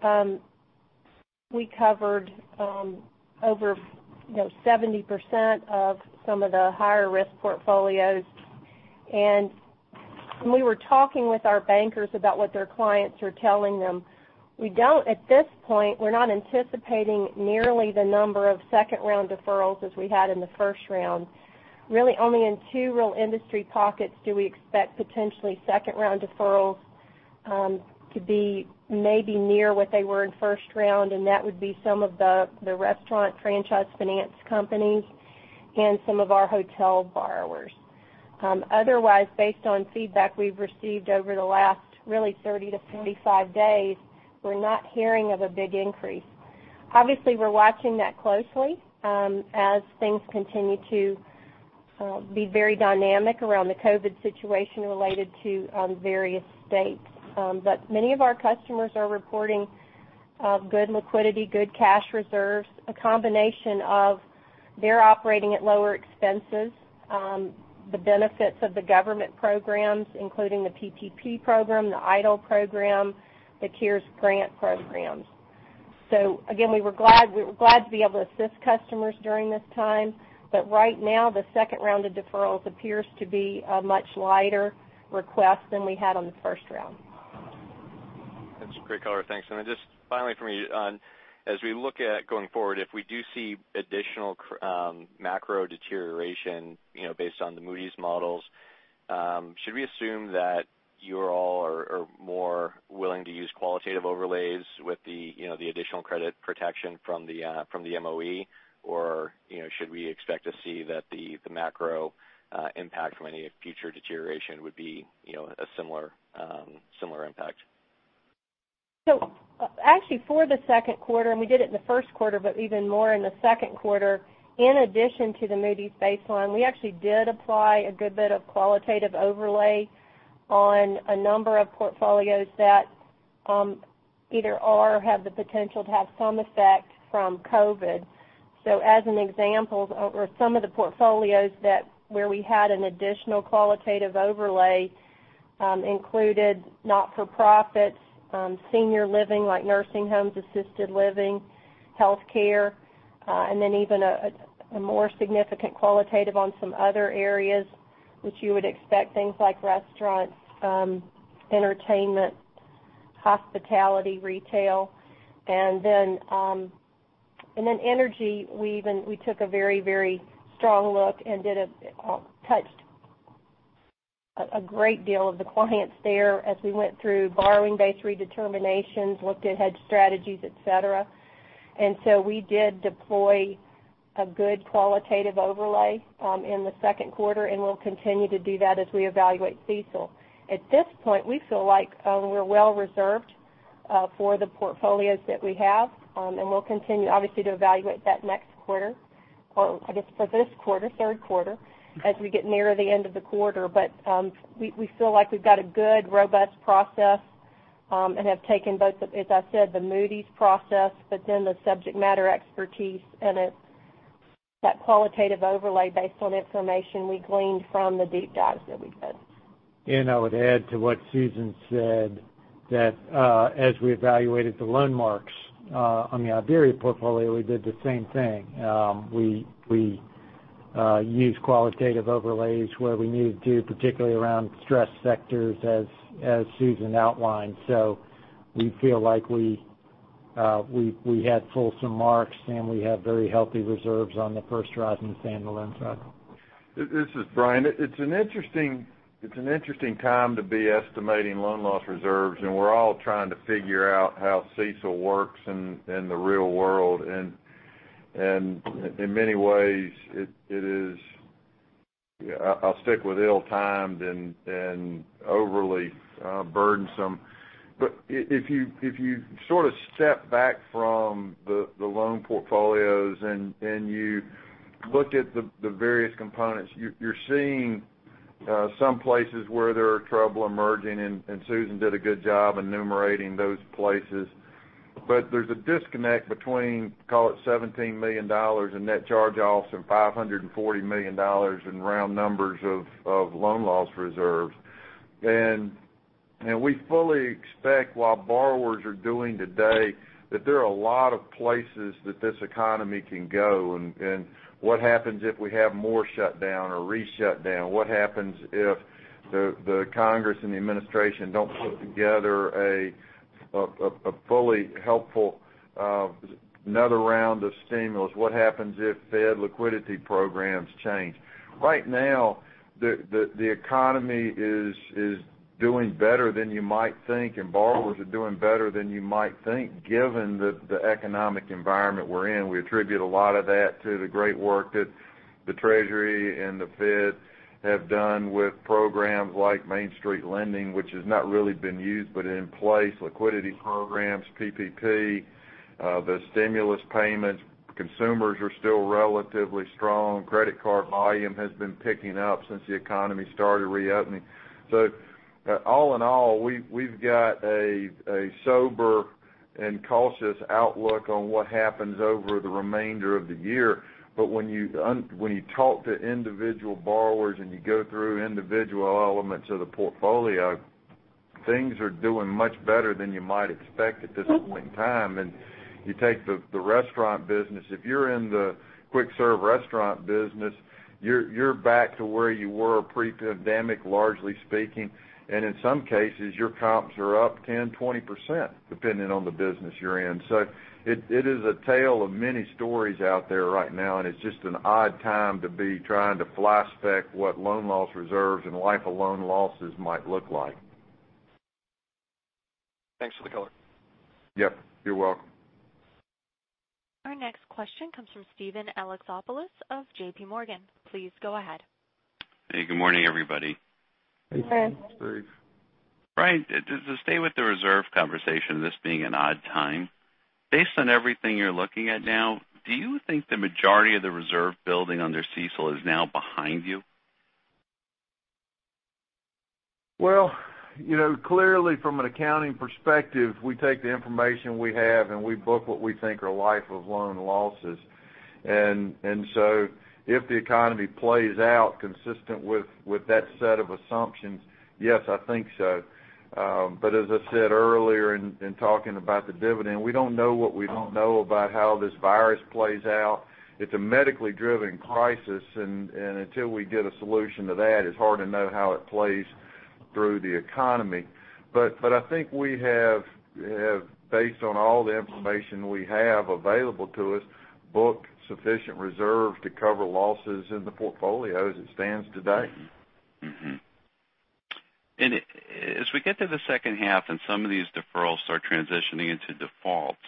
we covered over 70% of some of the higher-risk portfolios. When we were talking with our bankers about what their clients are telling them, at this point, we're not anticipating nearly the number of second-round deferrals as we had in the first round. Really only in two real industry pockets do we expect potentially second-round deferrals to be maybe near what they were in first round, and that would be some of the restaurant franchise finance companies and some of our hotel borrowers. Otherwise, based on feedback we've received over the last really 30 to 45 days, we're not hearing of a big increase. Obviously, we're watching that closely as things continue to be very dynamic around the COVID-19 situation related to various states. Many of our customers are reporting good liquidity, good cash reserves, a combination of their operating at lower expenses, the benefits of the government programs, including the PPP program, the EIDL program, the CARES Act grant programs. Again, we were glad to be able to assist customers during this time. Right now, the second round of deferrals appears to be a much lighter request than we had on the first round. That's a great color. Thanks. Just finally from me, as we look at going forward, if we do see additional macro deterioration based on the Moody's models, should we assume that you all are more willing to use qualitative overlays with the additional credit protection from the MOE, or should we expect to see that the macro impact from any future deterioration would be a similar impact? Actually, for the second quarter, and we did it in the first quarter, but even more in the second quarter, in addition to the Moody's baseline, we actually did apply a good bit of qualitative overlay on a number of portfolios that either are, or have the potential to have some effect from COVID. As an example, some of the portfolios where we had an additional qualitative overlay included not-for-profits, senior living like nursing homes, assisted living, healthcare, and then even a more significant qualitative on some other areas, which you would expect things like restaurants, entertainment, hospitality, retail. Then energy, we took a very strong look and touched a great deal of the clients there as we went through borrowing base redeterminations, looked at hedge strategies, et cetera. We did deploy a good qualitative overlay in the second quarter, and we'll continue to do that as we evaluate CECL. At this point, we feel like we're well reserved for the portfolios that we have. We'll continue obviously to evaluate that next quarter, or I guess for this quarter, third quarter, as we get nearer the end of the quarter. We feel like we've got a good, robust process, and have taken both the, as I said, the Moody's process, but then the subject matter expertise and that qualitative overlay based on information we gleaned from the deep dives that we did. I would add to what Susan said, that as we evaluated the loan marks on the Iberia portfolio, we did the same thing. We used qualitative overlays where we needed to, particularly around stressed sectors as Susan outlined. We feel like we had fulsome marks and we have very healthy reserves on the First Horizon and the Iberia. This is Bryan. It's an interesting time to be estimating loan loss reserves, and we're all trying to figure out how CECL works in the real world. In many ways, I'll stick with ill-timed and overly burdensome. If you sort of step back from the loan portfolios and you look at the various components, you're seeing some places where there are trouble emerging, and Susan did a good job enumerating those places. There's a disconnect between, call it $17 million in net charge-offs and $540 million in round numbers of loan loss reserves. We fully expect while borrowers are doing today that there are a lot of places that this economy can go. What happens if we have more shutdown or re-shutdown? What happens if the Congress and the administration don't put together a fully helpful, another round of stimulus. What happens if Fed liquidity programs change? Right now, the economy is doing better than you might think, and borrowers are doing better than you might think, given the economic environment we're in. We attribute a lot of that to the great work that the Treasury and the Fed have done with programs like Main Street Lending, which has not really been used but in place, liquidity programs, PPP, the stimulus payments. Consumers are still relatively strong. Credit card volume has been picking up since the economy started reopening. All in all, we've got a sober and cautious outlook on what happens over the remainder of the year. When you talk to individual borrowers and you go through individual elements of the portfolio, things are doing much better than you might expect at this point in time. You take the restaurant business. If you're in the quick-serve restaurant business, you're back to where you were pre-pandemic, largely speaking, and in some cases, your comps are up 10%, 20%, depending on the business you're in. It is a tale of many stories out there right now, and it's just an odd time to be trying to flyspeck what loan loss reserves and life of loan losses might look like. Thanks for the color. Yep, you're welcome. Our next question comes from Steven Alexopoulos of JPMorgan. Please go ahead. Hey, good morning, everybody. Hey, Steve. Bryan, just to stay with the reserve conversation, this being an odd time. Based on everything you're looking at now, do you think the majority of the reserve building under CECL is now behind you? Well, clearly, from an accounting perspective, we take the information we have, and we book what we think are life of loan losses. If the economy plays out consistent with that set of assumptions, yes, I think so. As I said earlier in talking about the dividend, we don't know what we don't know about how this virus plays out. It's a medically driven crisis, and until we get a solution to that, it's hard to know how it plays through the economy. I think we have, based on all the information we have available to us, booked sufficient reserves to cover losses in the portfolio as it stands today. Mm-hmm. As we get to the second half and some of these deferrals start transitioning into defaults,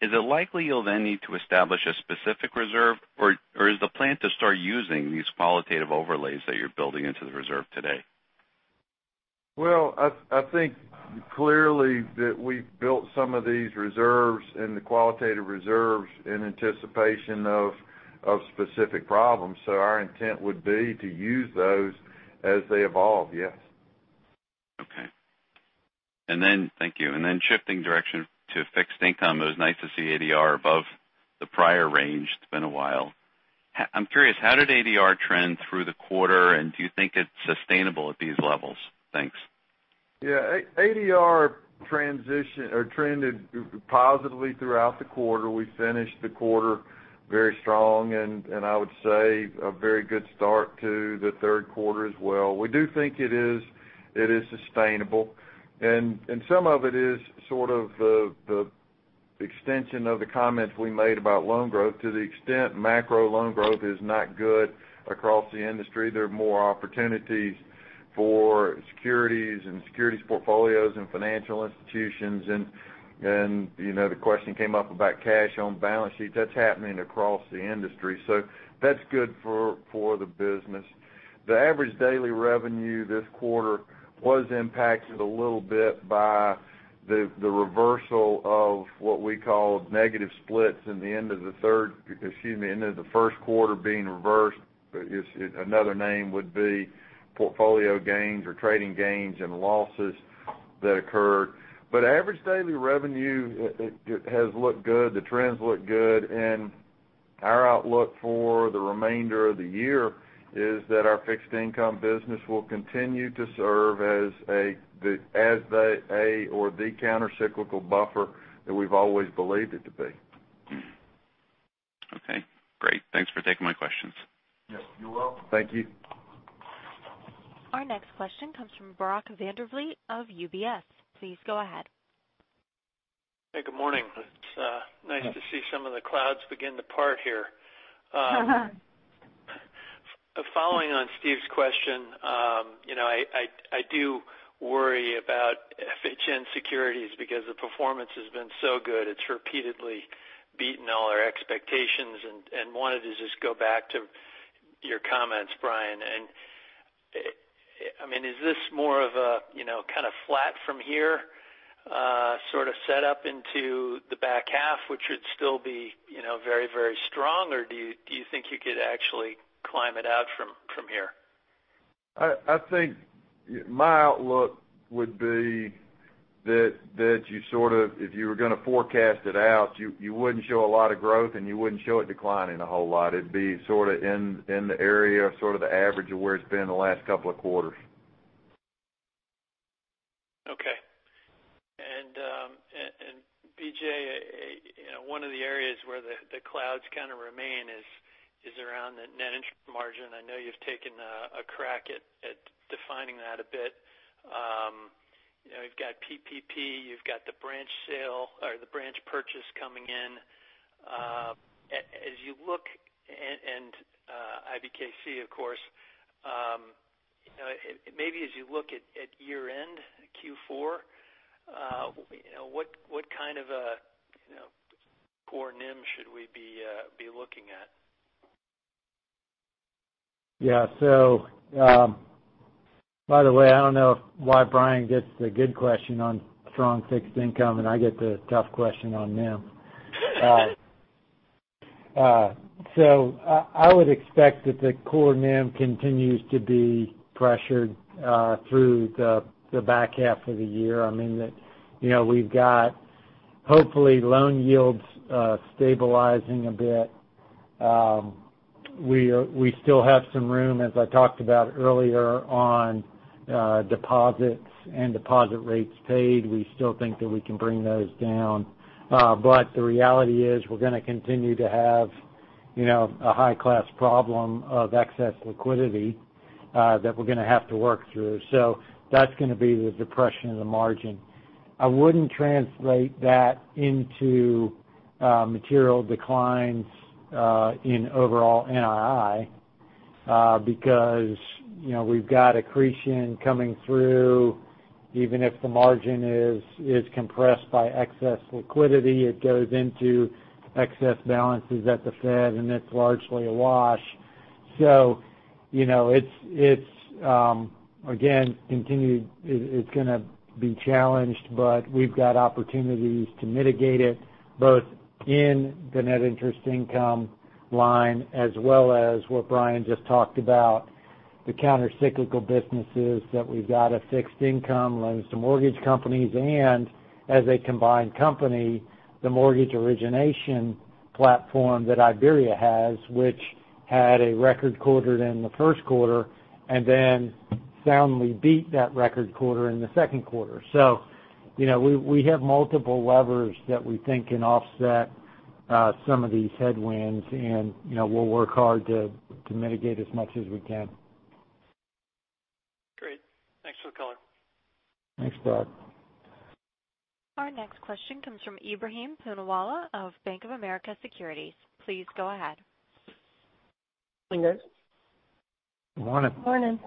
is it likely you'll then need to establish a specific reserve, or is the plan to start using these qualitative overlays that you're building into the reserve today? Well, I think clearly that we've built some of these reserves and the qualitative reserves in anticipation of specific problems. Our intent would be to use those as they evolve, yes. Okay. Thank you. Shifting direction to fixed income. It was nice to see ADR above the prior range. It's been a while. I'm curious, how did ADR trend through the quarter, and do you think it's sustainable at these levels? Thanks. Yeah. ADR trended positively throughout the quarter. We finished the quarter very strong and, I would say, a very good start to the third quarter as well. We do think it is sustainable, and some of it is sort of the extension of the comments we made about loan growth. To the extent macro loan growth is not good across the industry, there are more opportunities for securities and securities portfolios and financial institutions. The question came up about cash on balance sheets. That's happening across the industry. That's good for the business. The average daily revenue this quarter was impacted a little bit by the reversal of what we call negative splits in the end of the first quarter being reversed. Another name would be portfolio gains or trading gains and losses that occurred. Average daily revenue has looked good. The trends look good. Our outlook for the remainder of the year is that our fixed income business will continue to serve as a or the countercyclical buffer that we've always believed it to be. Okay, great. Thanks for taking my questions. Yes, you're welcome. Thank you. Our next question comes from Brock Vandervliet of UBS. Please go ahead. Hey, good morning. It's nice to see some of the clouds begin to part here. Following on Steve's question, I do worry about FHN Securities because the performance has been so good. It's repeatedly beaten all our expectations. Wanted to just go back to your comments, Bryan. Is this more of a kind of flat from here sort of set up into the back half, which would still be very strong, or do you think you could actually climb it out from here? My outlook would be that if you were going to forecast it out, you wouldn't show a lot of growth, and you wouldn't show it declining a whole lot. It'd be sort of in the area of sort of the average of where it's been the last couple of quarters. Okay. B.J., one of the areas where the clouds kind of remain is around the net interest margin. I know you've taken a crack at defining that a bit. You've got PPP, you've got the branch sale or the branch purchase coming in. As you look, and IBKC of course, maybe as you look at year-end Q4, what kind of a core NIM should we be looking at? Yeah. By the way, I don't know why Bryan gets the good question on strong fixed income, and I get the tough question on NIM. I would expect that the core NIM continues to be pressured through the back half of the year. We've got, hopefully, loan yields stabilizing a bit. We still have some room, as I talked about earlier, on deposits and deposit rates paid. We still think that we can bring those down. The reality is, we're going to continue to have a high class problem of excess liquidity that we're going to have to work through. That's going to be the depression of the margin. I wouldn't translate that into material declines in overall NII, because we've got accretion coming through, even if the margin is compressed by excess liquidity, it goes into excess balances at the Fed, and it's largely a wash. It's, again, it's going to be challenged, but we've got opportunities to mitigate it, both in the net interest income line, as well as what Bryan Jordan just talked about, the counter-cyclical businesses that we've got of fixed income loans to mortgage companies, and as a combined company, the mortgage origination platform that Iberia has, which had a record quarter in the first quarter, and then soundly beat that record quarter in the second quarter. We have multiple levers that we think can offset some of these headwinds, and we'll work hard to mitigate as much as we can. Great. Thanks for the color. Thanks, Doug. Our next question comes from Ebrahim Poonawala of Bank of America Securities. Please go ahead. Morning, guys. Morning. Morning.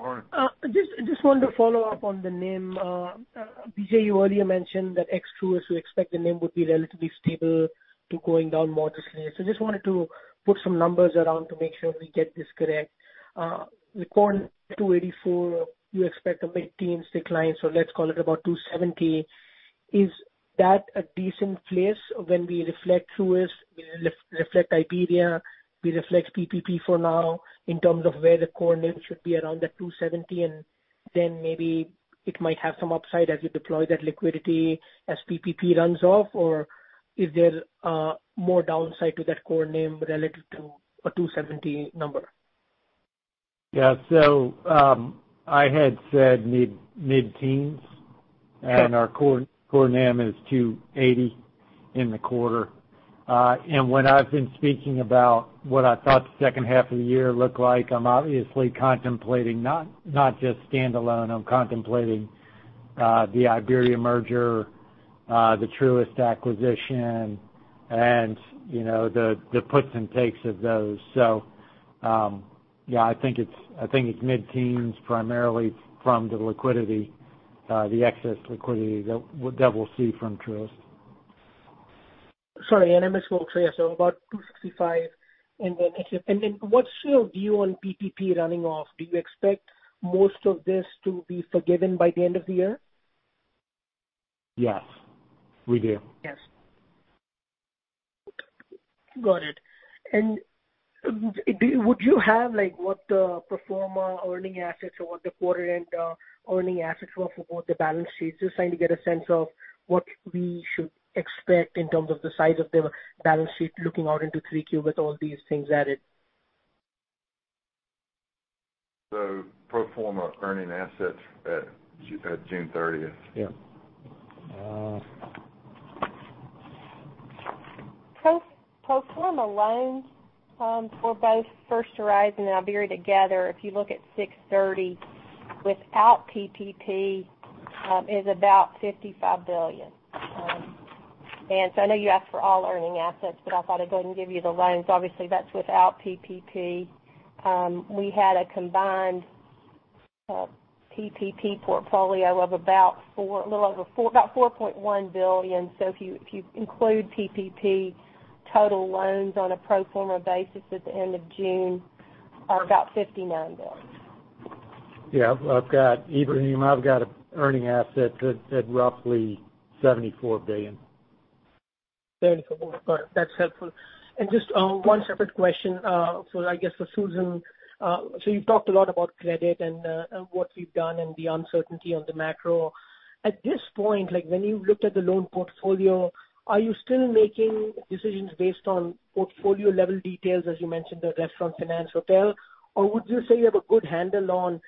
Just wanted to follow up on the NIM. B.J., you earlier mentioned that ex Truist, you expect the NIM would be relatively stable to going down modestly. Just wanted to put some numbers around to make sure we get this correct. The core NIM at 284, you expect a mid-teens decline, let's call it about 270. Is that a decent place when we reflect Truist, we reflect IBERIABANK, we reflect PPP for now in terms of where the core NIM should be around that 270, and then maybe it might have some upside as you deploy that liquidity as PPP runs off? Is there more downside to that core NIM relative to a 270 number? Yeah. I had said mid-teens- Okay Our core NIM is 2.80 in the quarter. When I've been speaking about what I thought the second half of the year looked like, I'm obviously contemplating not just standalone, I'm contemplating the IBERIABANK merger, the Truist acquisition, and the puts and takes of those. Yeah, I think it's mid-teens primarily from the liquidity, the excess liquidity that we'll see from Truist. Sorry, I missed one. Yeah, about $ 265 million. What's your view on PPP running off? Do you expect most of this to be forgiven by the end of the year? Yes, we do. Yes. Got it. Would you have what the pro forma earning assets or what the quarter end earning assets were for both the balance sheets? Just trying to get a sense of what we should expect in terms of the size of the balance sheet looking out into three Q with all these things added. Pro forma earning assets at June 30th. Yeah. Pro forma loans for both First Horizon and IBERIABANK together, if you look at six thirty without PPP, is about $55 billion. I know you asked for all earning assets, but I thought I'd go ahead and give you the loans. Obviously, that's without PPP. We had a combined PPP portfolio of about $4.1 billion. If you include PPP, total loans on a pro forma basis at the end of June are about $59 billion. Yeah, Ebrahim, I've got earning assets at roughly $74 billion. $74 billion. Got it. That's helpful. Just one separate question, I guess for Susan. You've talked a lot about credit and what you've done and the uncertainty on the macro. At this point, when you've looked at the loan portfolio, are you still making decisions based on portfolio level details, as you mentioned, the restaurant, finance, hotel? Would you say you have a good handle on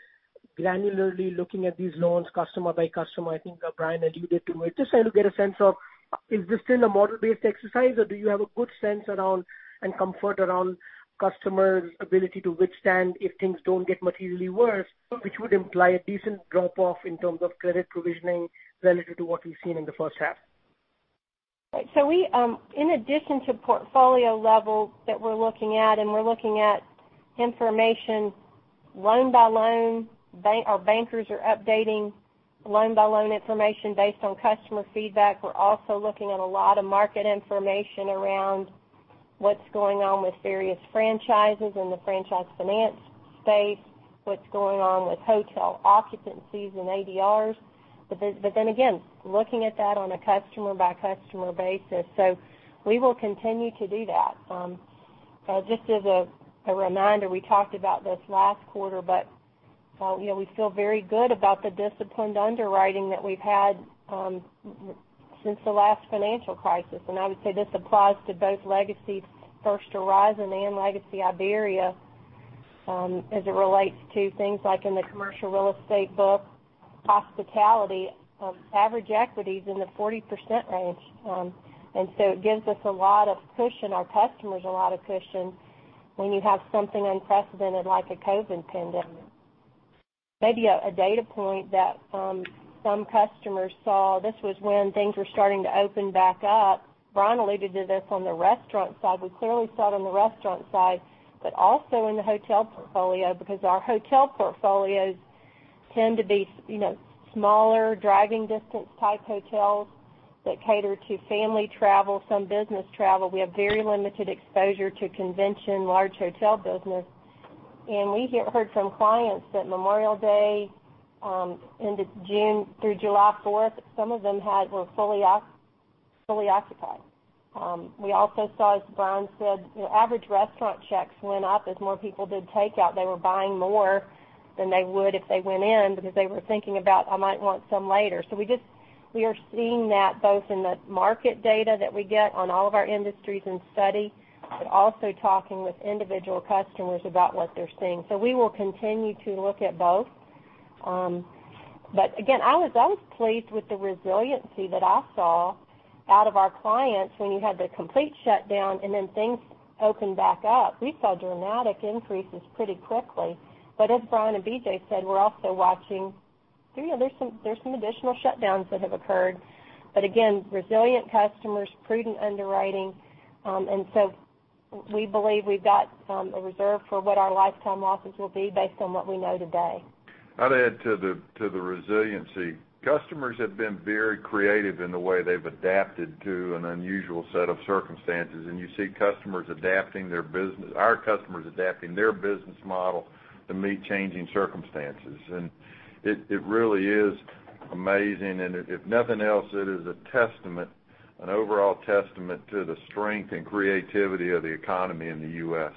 granularly looking at these loans customer by customer, I think, Bryan, alluded to it. Just trying to get a sense of, is this still a model-based exercise, or do you have a good sense around and comfort around customers' ability to withstand if things don't get materially worse, which would imply a decent drop-off in terms of credit provisioning relative to what we've seen in the first half? Right. In addition to portfolio level that we're looking at, and we're looking at information loan by loan. Our bankers are updating loan by loan information based on customer feedback. We're also looking at a lot of market information around what's going on with various franchises in the franchise finance space, what's going on with hotel occupancies and ADRs. Again, looking at that on a customer by customer basis. We will continue to do that. Just as a reminder, we talked about this last quarter, but we feel very good about the disciplined underwriting that we've had since the last financial crisis. I would say this applies to both legacy First Horizon and legacy IBERIABANK, as it relates to things like in the commercial real estate book, hospitality, average equity is in the 40% range. It gives us a lot of cushion, our customers a lot of cushion, when you have something unprecedented like a COVID-19 pandemic. Maybe a data point that some customers saw, this was when things were starting to open back up. Bryan alluded to this on the restaurant side. We clearly saw it on the restaurant side, but also in the hotel portfolio, because our hotel portfolios tend to be smaller driving distance type hotels that cater to family travel, some business travel. We have very limited exposure to convention large hotel business. We heard from clients that Memorial Day into June through July 4th, some of them were fully occupied. We also saw, as Bryan said, average restaurant checks went up as more people did takeout. They were buying more than they would if they went in because they were thinking about, "I might want some later." We are seeing that both in the market data that we get on all of our industries and study, but also talking with individual customers about what they're seeing. We will continue to look at both. Again, I was pleased with the resiliency that I saw out of our clients when you had the complete shutdown and then things opened back up. We saw dramatic increases pretty quickly. As Bryan and BJ said, we're also watching. There's some additional shutdowns that have occurred. Again, resilient customers, prudent underwriting. We believe we've got a reserve for what our lifetime losses will be based on what we know today. I'd add to the resiliency. Customers have been very creative in the way they've adapted to an unusual set of circumstances. You see our customers adapting their business model to meet changing circumstances. It really is amazing. If nothing else, it is an overall testament to the strength and creativity of the economy in the U.S.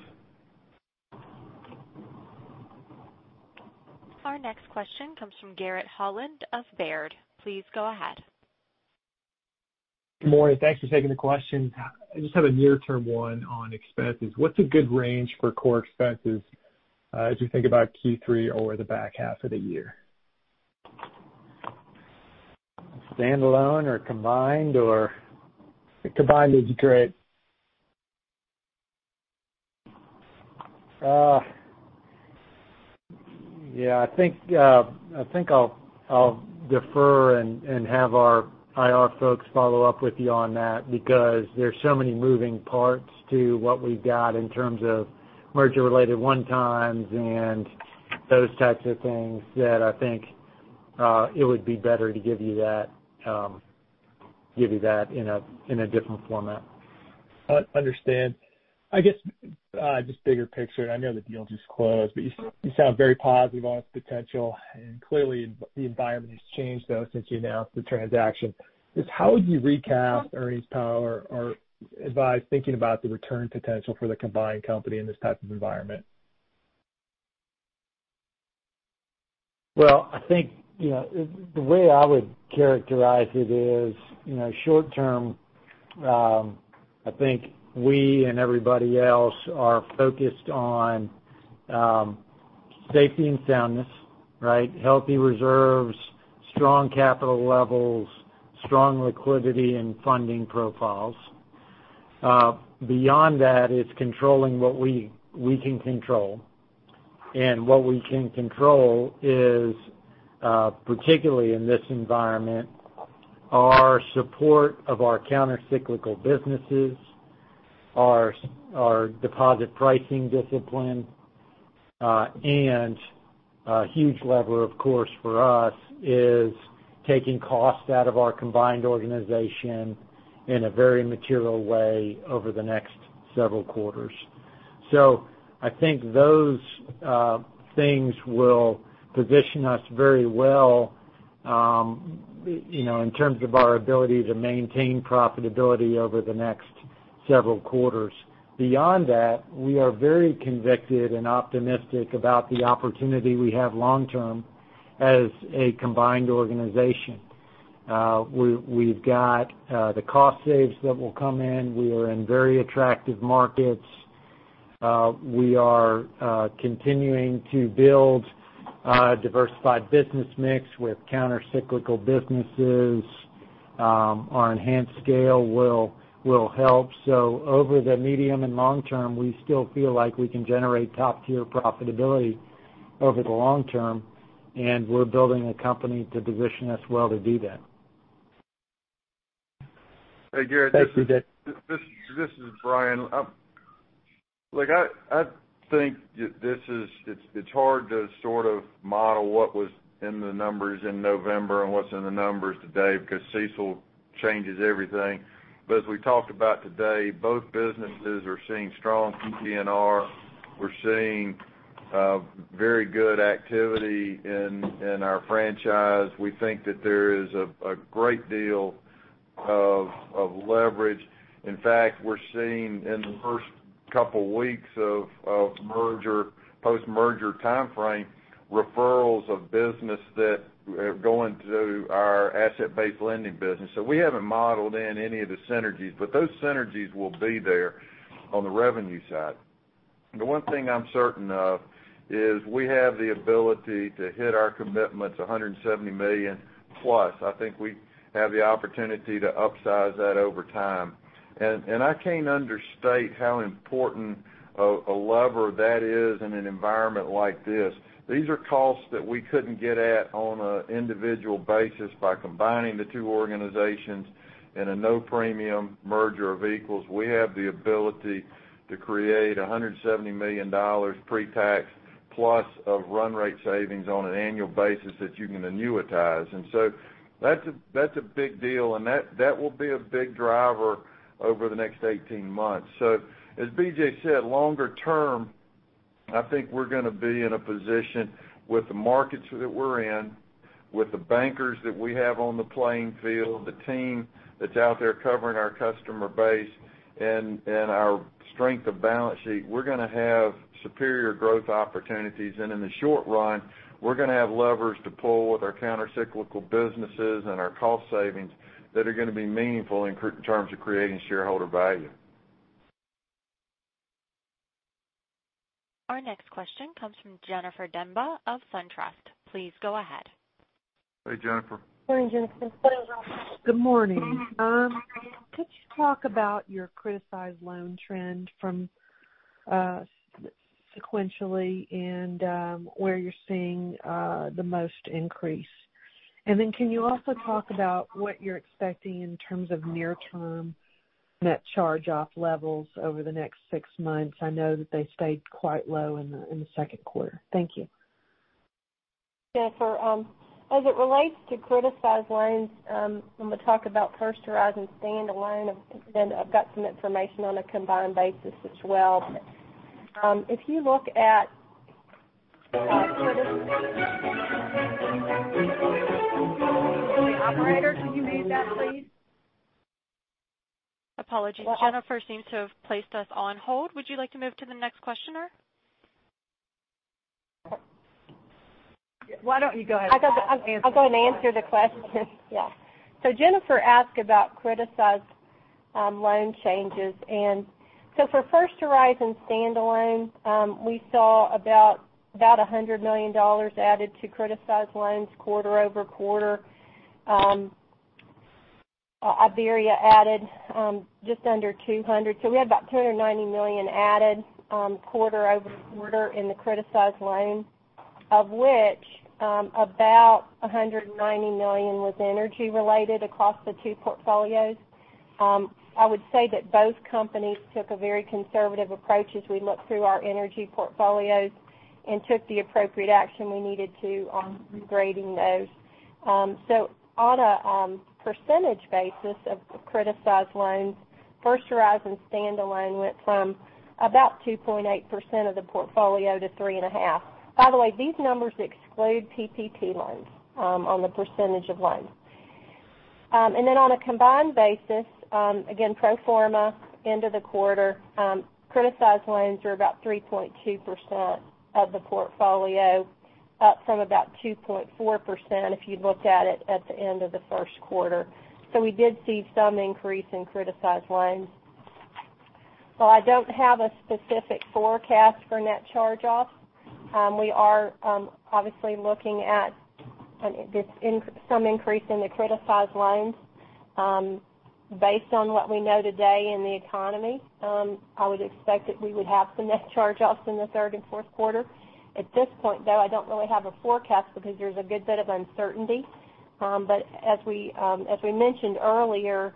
Our next question comes from Garrett Holland of Baird. Please go ahead. Good morning. Thanks for taking the question. I just have a near-term one on expenses. What's a good range for core expenses as we think about Q3 or the back half of the year? Standalone or combined, or? Combined is great. Yeah. I think I'll defer and have our IR folks follow up with you on that, because there's so many moving parts to what we've got in terms of merger-related one-times and those types of things that I think it would be better to give you that in a different format. Understand. I guess, just bigger picture, I know the deal just closed, but you sound very positive on its potential, and clearly the environment has changed, though, since you announced the transaction. Just how would you recast earnings power, or advise thinking about the return potential for the combined company in this type of environment? Well, I think, the way I would characterize it is, short term, I think we and everybody else are focused on safety and soundness, right? Healthy reserves, strong capital levels, strong liquidity and funding profiles. Beyond that, it's controlling what we can control. What we can control is, particularly in this environment, our support of our counter-cyclical businesses, our deposit pricing discipline, and a huge lever, of course, for us is taking costs out of our combined organization in a very material way over the next several quarters. I think those things will position us very well in terms of our ability to maintain profitability over the next several quarters. Beyond that, we are very convicted and optimistic about the opportunity we have long term as a combined organization. We've got the cost saves that will come in. We are in very attractive markets. We are continuing to build a diversified business mix with countercyclical businesses. Our enhanced scale will help. Over the medium and long term, we still feel like we can generate top-tier profitability over the long term, and we're building a company to position us well to do that. Hey, Garrett. Thank you, Dick. This is Bryan. I think it's hard to sort of model what was in the numbers in November and what's in the numbers today because CECL changes everything. As we talked about today, both businesses are seeing strong PPNR. We're seeing very good activity in our franchise. We think that there is a great deal of leverage. In fact, we're seeing in the first couple weeks of post-merger timeframe, referrals of business that are going to our asset-based lending business. We haven't modeled in any of the synergies, but those synergies will be there on the revenue side. The one thing I'm certain of is we have the ability to hit our commitments, $170 million plus. I think we have the opportunity to upsize that over time. I can't understate how important a lever that is in an environment like this. These are costs that we couldn't get at on an individual basis by combining the two organizations in a no-premium merger of equals. We have the ability to create $170 million pre-tax plus of run rate savings on an annual basis that you can annuitize. That's a big deal, and that will be a big driver over the next 18 months. As BJ said, longer term, I think we're going to be in a position with the markets that we're in, with the bankers that we have on the playing field, the team that's out there covering our customer base, and our strength of balance sheet, we're going to have superior growth opportunities. In the short run, we're going to have levers to pull with our countercyclical businesses and our cost savings that are going to be meaningful in terms of creating shareholder value. Our next question comes from Jennifer Demba of SunTrust. Please go ahead. Hey, Jennifer. Good morning, Jennifer. Good morning. Could you talk about your criticized loan trend from sequentially and where you're seeing the most increase? Can you also talk about what you're expecting in terms of near-term net charge-off levels over the next six months? I know that they stayed quite low in the second quarter. Thank you. Jennifer, as it relates to criticized loans, I'm going to talk about First Horizon standalone, then I've got some information on a combined basis as well. Operator, could you mute that, please? Apologies. Jennifer seems to have placed us on hold. Would you like to move to the next questioner? Why don't you go ahead and answer the question. I'll go and answer the question, yeah. Jennifer asked about criticized loan changes. For First Horizon standalone, we saw about $100 million added to criticized loans quarter-over-quarter. IBERIABANK added just under $200. We had about $290 million added quarter-over-quarter in the criticized loan, of which about $190 million was energy related across the two portfolios. I would say that both companies took a very conservative approach as we looked through our energy portfolios and took the appropriate action we needed to on grading those. On a percentage basis of criticized loans, First Horizon standalone went from about 2.8% of the portfolio to 3.5%. By the way, these numbers exclude PPP loans on the percentage of loans. On a combined basis, again, pro forma end of the quarter, criticized loans are about 3.2% of the portfolio, up from about 2.4% if you'd looked at it at the end of the first quarter. We did see some increase in criticized loans. While I don't have a specific forecast for net charge-offs, we are obviously looking at some increase in the criticized loans. Based on what we know today in the economy, I would expect that we would have some net charge-offs in the third and fourth quarter. At this point, though, I don't really have a forecast because there's a good bit of uncertainty. As we mentioned earlier,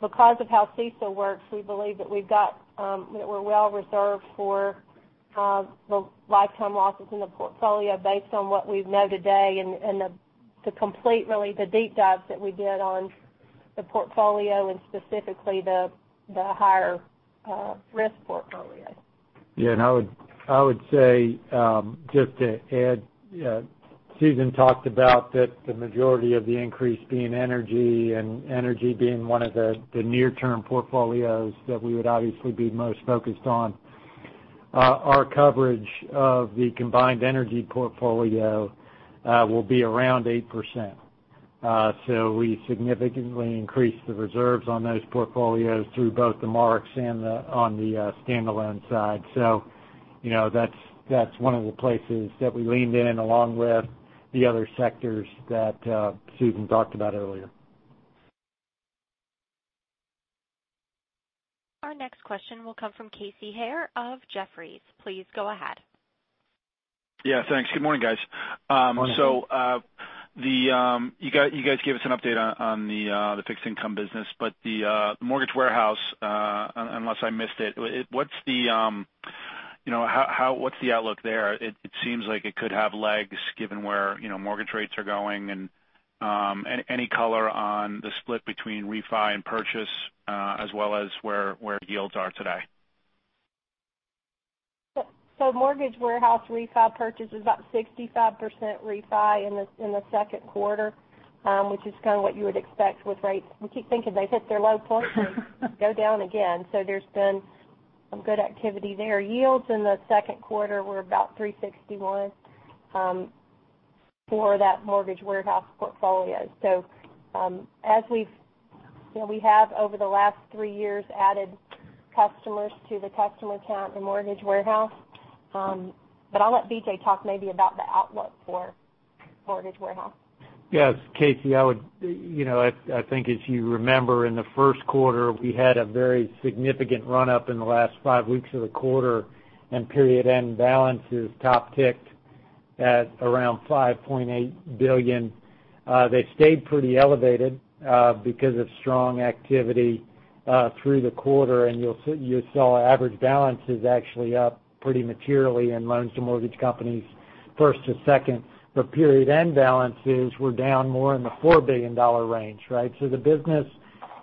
because of how CECL works, we believe that we're well reserved for the lifetime losses in the portfolio based on what we know today and to complete, really, the deep dives that we did on the portfolio and specifically the higher risk portfolio. I would say, just to add, Susan talked about that the majority of the increase being energy and energy being one of the near-term portfolios that we would obviously be most focused on. Our coverage of the combined energy portfolio will be around 8%. We significantly increased the reserves on those portfolios through both the marks and on the standalone side. That's one of the places that we leaned in along with the other sectors that Susan talked about earlier. Our next question will come from Casey Haire of Jefferies. Please go ahead. Yeah, thanks. Good morning, guys. Good morning. You guys gave us an update on the fixed income business, but the mortgage warehouse, unless I missed it, what's the outlook there? It seems like it could have legs given where mortgage rates are going, and any color on the split between refi and purchase, as well as where yields are today. Mortgage warehouse refi purchase is about 65% refi in the second quarter, which is kind of what you would expect with rates. We keep thinking they hit their low point and go down again. There's been some good activity there. Yields in the second quarter were about 361 for that mortgage warehouse portfolio. We have, over the last three years, added customers to the customer count in mortgage warehouse. I'll let BJ talk maybe about the outlook for mortgage warehouse. Yes, Casey, I think as you remember, in the first quarter, we had a very significant run-up in the last five weeks of the quarter. Period-end balances top ticked at around $5.8 billion. They stayed pretty elevated because of strong activity through the quarter. You'll see our average balance is actually up pretty materially in loans to mortgage companies, first to second. The period-end balances were down more in the $4 billion range, right? The business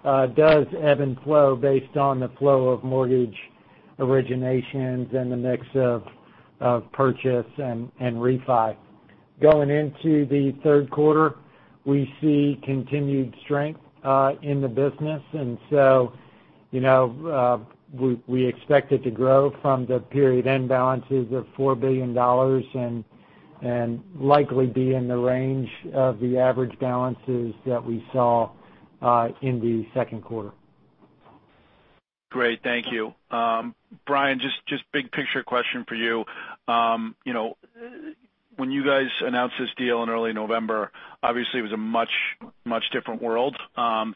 does ebb and flow based on the flow of mortgage originations and the mix of purchase and refi. Going into the third quarter, we see continued strength in the business. We expect it to grow from the period-end balances of $4 billion and likely be in the range of the average balances that we saw in the second quarter. Great. Thank you. Bryan, just big picture question for you. When you guys announced this deal in early November, obviously, it was a much, much different world.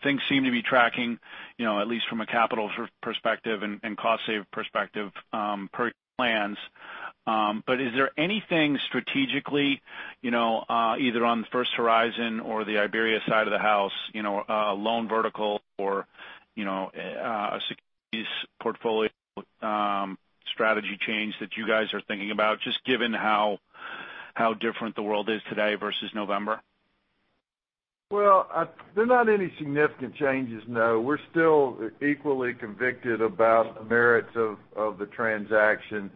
Things seem to be tracking at least from a capital perspective and cost save perspective per plans. Is there anything strategically, either on the First Horizon or the IBERIABANK side of the house, a loan vertical or a securities portfolio strategy change that you guys are thinking about, just given how different the world is today versus November? Well, there are not any significant changes, no. We're still equally convicted about the merits of the transaction,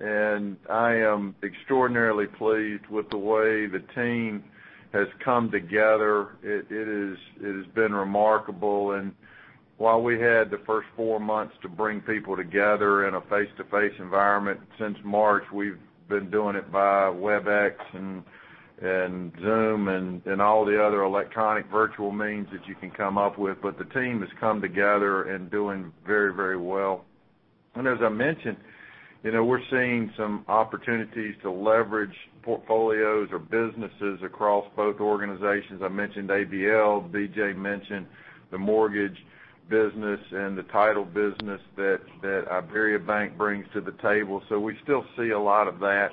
and I am extraordinarily pleased with the way the team has come together. It has been remarkable. While we had the first four months to bring people together in a face-to-face environment, since March, we've been doing it via Webex and Zoom and all the other electronic virtual means that you can come up with. The team has come together and doing very, very well. As I mentioned, we're seeing some opportunities to leverage portfolios or businesses across both organizations. I mentioned ABL, BJ mentioned the mortgage business and the title business that IBERIABANK brings to the table. We still see a lot of that.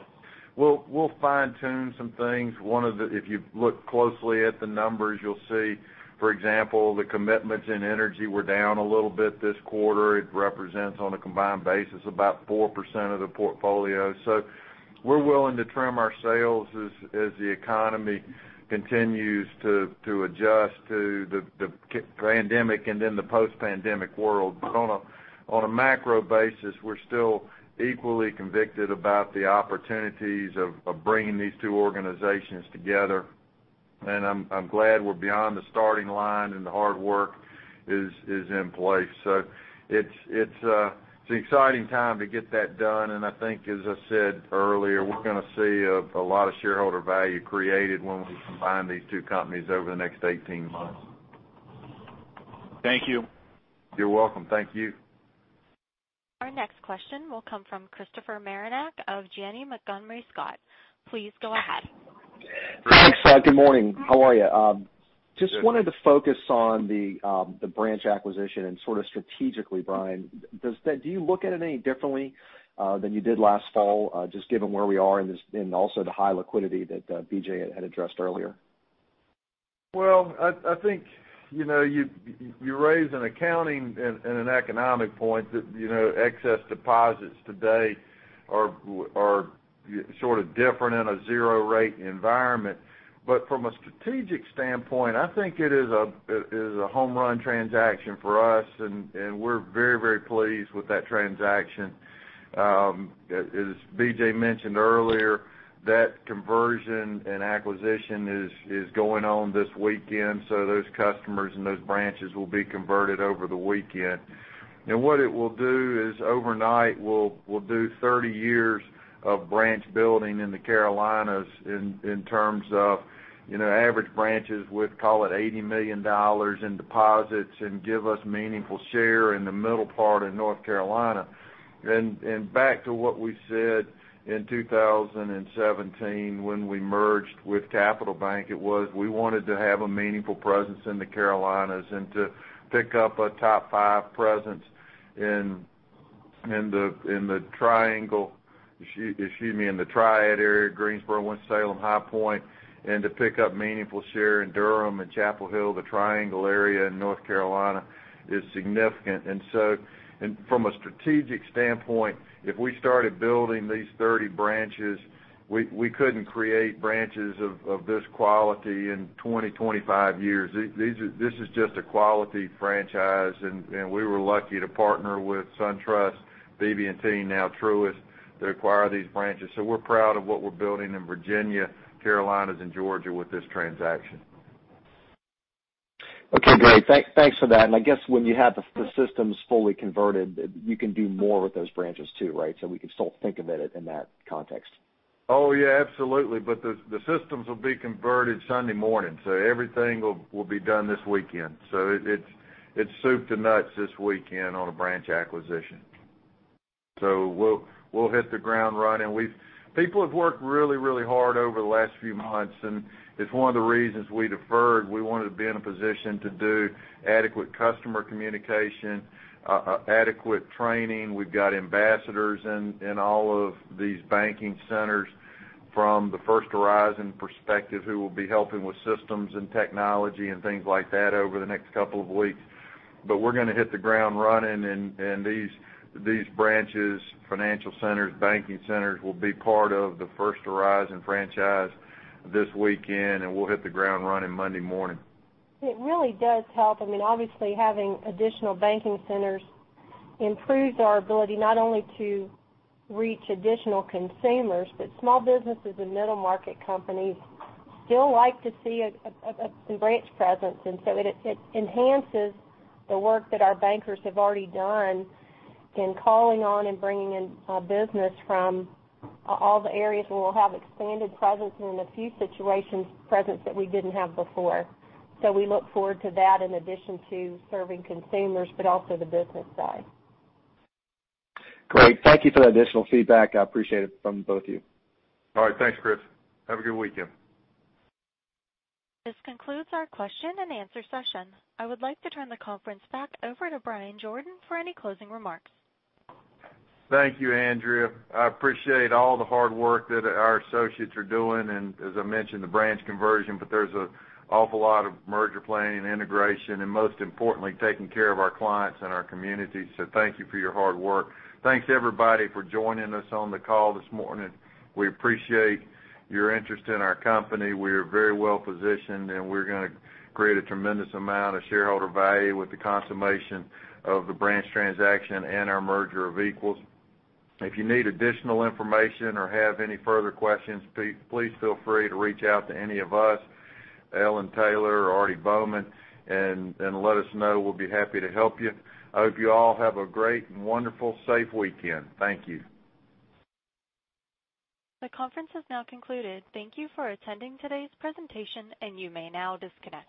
We'll fine-tune some things. If you look closely at the numbers, you'll see, for example, the commitments in energy were down a little bit this quarter. It represents, on a combined basis, about 4% of the portfolio. We're willing to trim our sails as the economy continues to adjust to the pandemic and in the post-pandemic world. On a macro basis, we're still equally convicted about the opportunities of bringing these two organizations together, and I'm glad we're beyond the starting line, and the hard work is in place. It's an exciting time to get that done, and I think, as I said earlier, we're going to see a lot of shareholder value created when we combine these two companies over the next 18 months. Thank you. You're welcome. Thank you. Our next question will come from Christopher Marinac of Janney Montgomery Scott. Please go ahead. Thanks. Good morning. How are you? Good. Just wanted to focus on the branch acquisition and sort of strategically, Bryan. Do you look at it any differently than you did last fall, just given where we are in this and also the high liquidity that BJ had addressed earlier? Well, I think, you raise an accounting and an economic point that excess deposits today are sort of different in a zero-rate environment. From a strategic standpoint, I think it is a home run transaction for us, and we're very, very pleased with that transaction. As BJ mentioned earlier, that conversion and acquisition is going on this weekend, so those customers and those branches will be converted over the weekend. What it will do is overnight, we'll do 30 years of branch building in the Carolinas in terms of average branches with, call it, $80 million in deposits and give us meaningful share in the middle part of North Carolina. Back to what we said in 2017 when we merged with Capital Bank, it was we wanted to have a meaningful presence in the Carolinas and to pick up a top five presence in the Triad area, Greensboro, Winston-Salem, High Point, and to pick up meaningful share in Durham and Chapel Hill. The triangle area in North Carolina is significant. From a strategic standpoint, if we started building these 30 branches, we couldn't create branches of this quality in 20, 25 years. This is just a quality franchise, and we were lucky to partner with SunTrust, BB&T, now Truist, to acquire these branches. We're proud of what we're building in Virginia, Carolinas, and Georgia with this transaction. Okay, great. Thanks for that. I guess when you have the systems fully converted, you can do more with those branches too, right? We can still think of it in that context. Yeah, absolutely. The systems will be converted Sunday morning. Everything will be done this weekend. It's soup to nuts this weekend on a branch acquisition. We'll hit the ground running. People have worked really hard over the last few months, and it's one of the reasons we deferred. We wanted to be in a position to do adequate customer communication, adequate training. We've got ambassadors in all of these banking centers from the First Horizon perspective, who will be helping with systems and technology and things like that over the next couple of weeks. We're going to hit the ground running and these branches, financial centers, banking centers, will be part of the First Horizon franchise this weekend, and we'll hit the ground running Monday morning. It really does help. Obviously, having additional banking centers improves our ability not only to reach additional consumers, but small businesses and middle-market companies still like to see a branch presence. It enhances the work that our bankers have already done in calling on and bringing in business from all the areas where we'll have expanded presence and in a few situations, presence that we didn't have before. We look forward to that, in addition to serving consumers, but also the business side. Great. Thank you for that additional feedback. I appreciate it from both of you. All right. Thanks, Chris. Have a good weekend. This concludes our question and answer session. I would like to turn the conference back over to Bryan Jordan for any closing remarks. Thank you, Andrea. I appreciate all the hard work that our associates are doing and, as I mentioned, the branch conversion, but there's an awful lot of merger planning and integration and most importantly, taking care of our clients and our community. Thank you for your hard work. Thanks everybody for joining us on the call this morning. We appreciate your interest in our company. We are very well-positioned, and we're going to create a tremendous amount of shareholder value with the consummation of the branch transaction and our merger of equals. If you need additional information or have any further questions, please feel free to reach out to any of us, Ellen Taylor or Aarti Bowman, and let us know. We'll be happy to help you. I hope you all have a great and wonderful, safe weekend. Thank you. The conference is now concluded. Thank you for attending today's presentation, and you may now disconnect.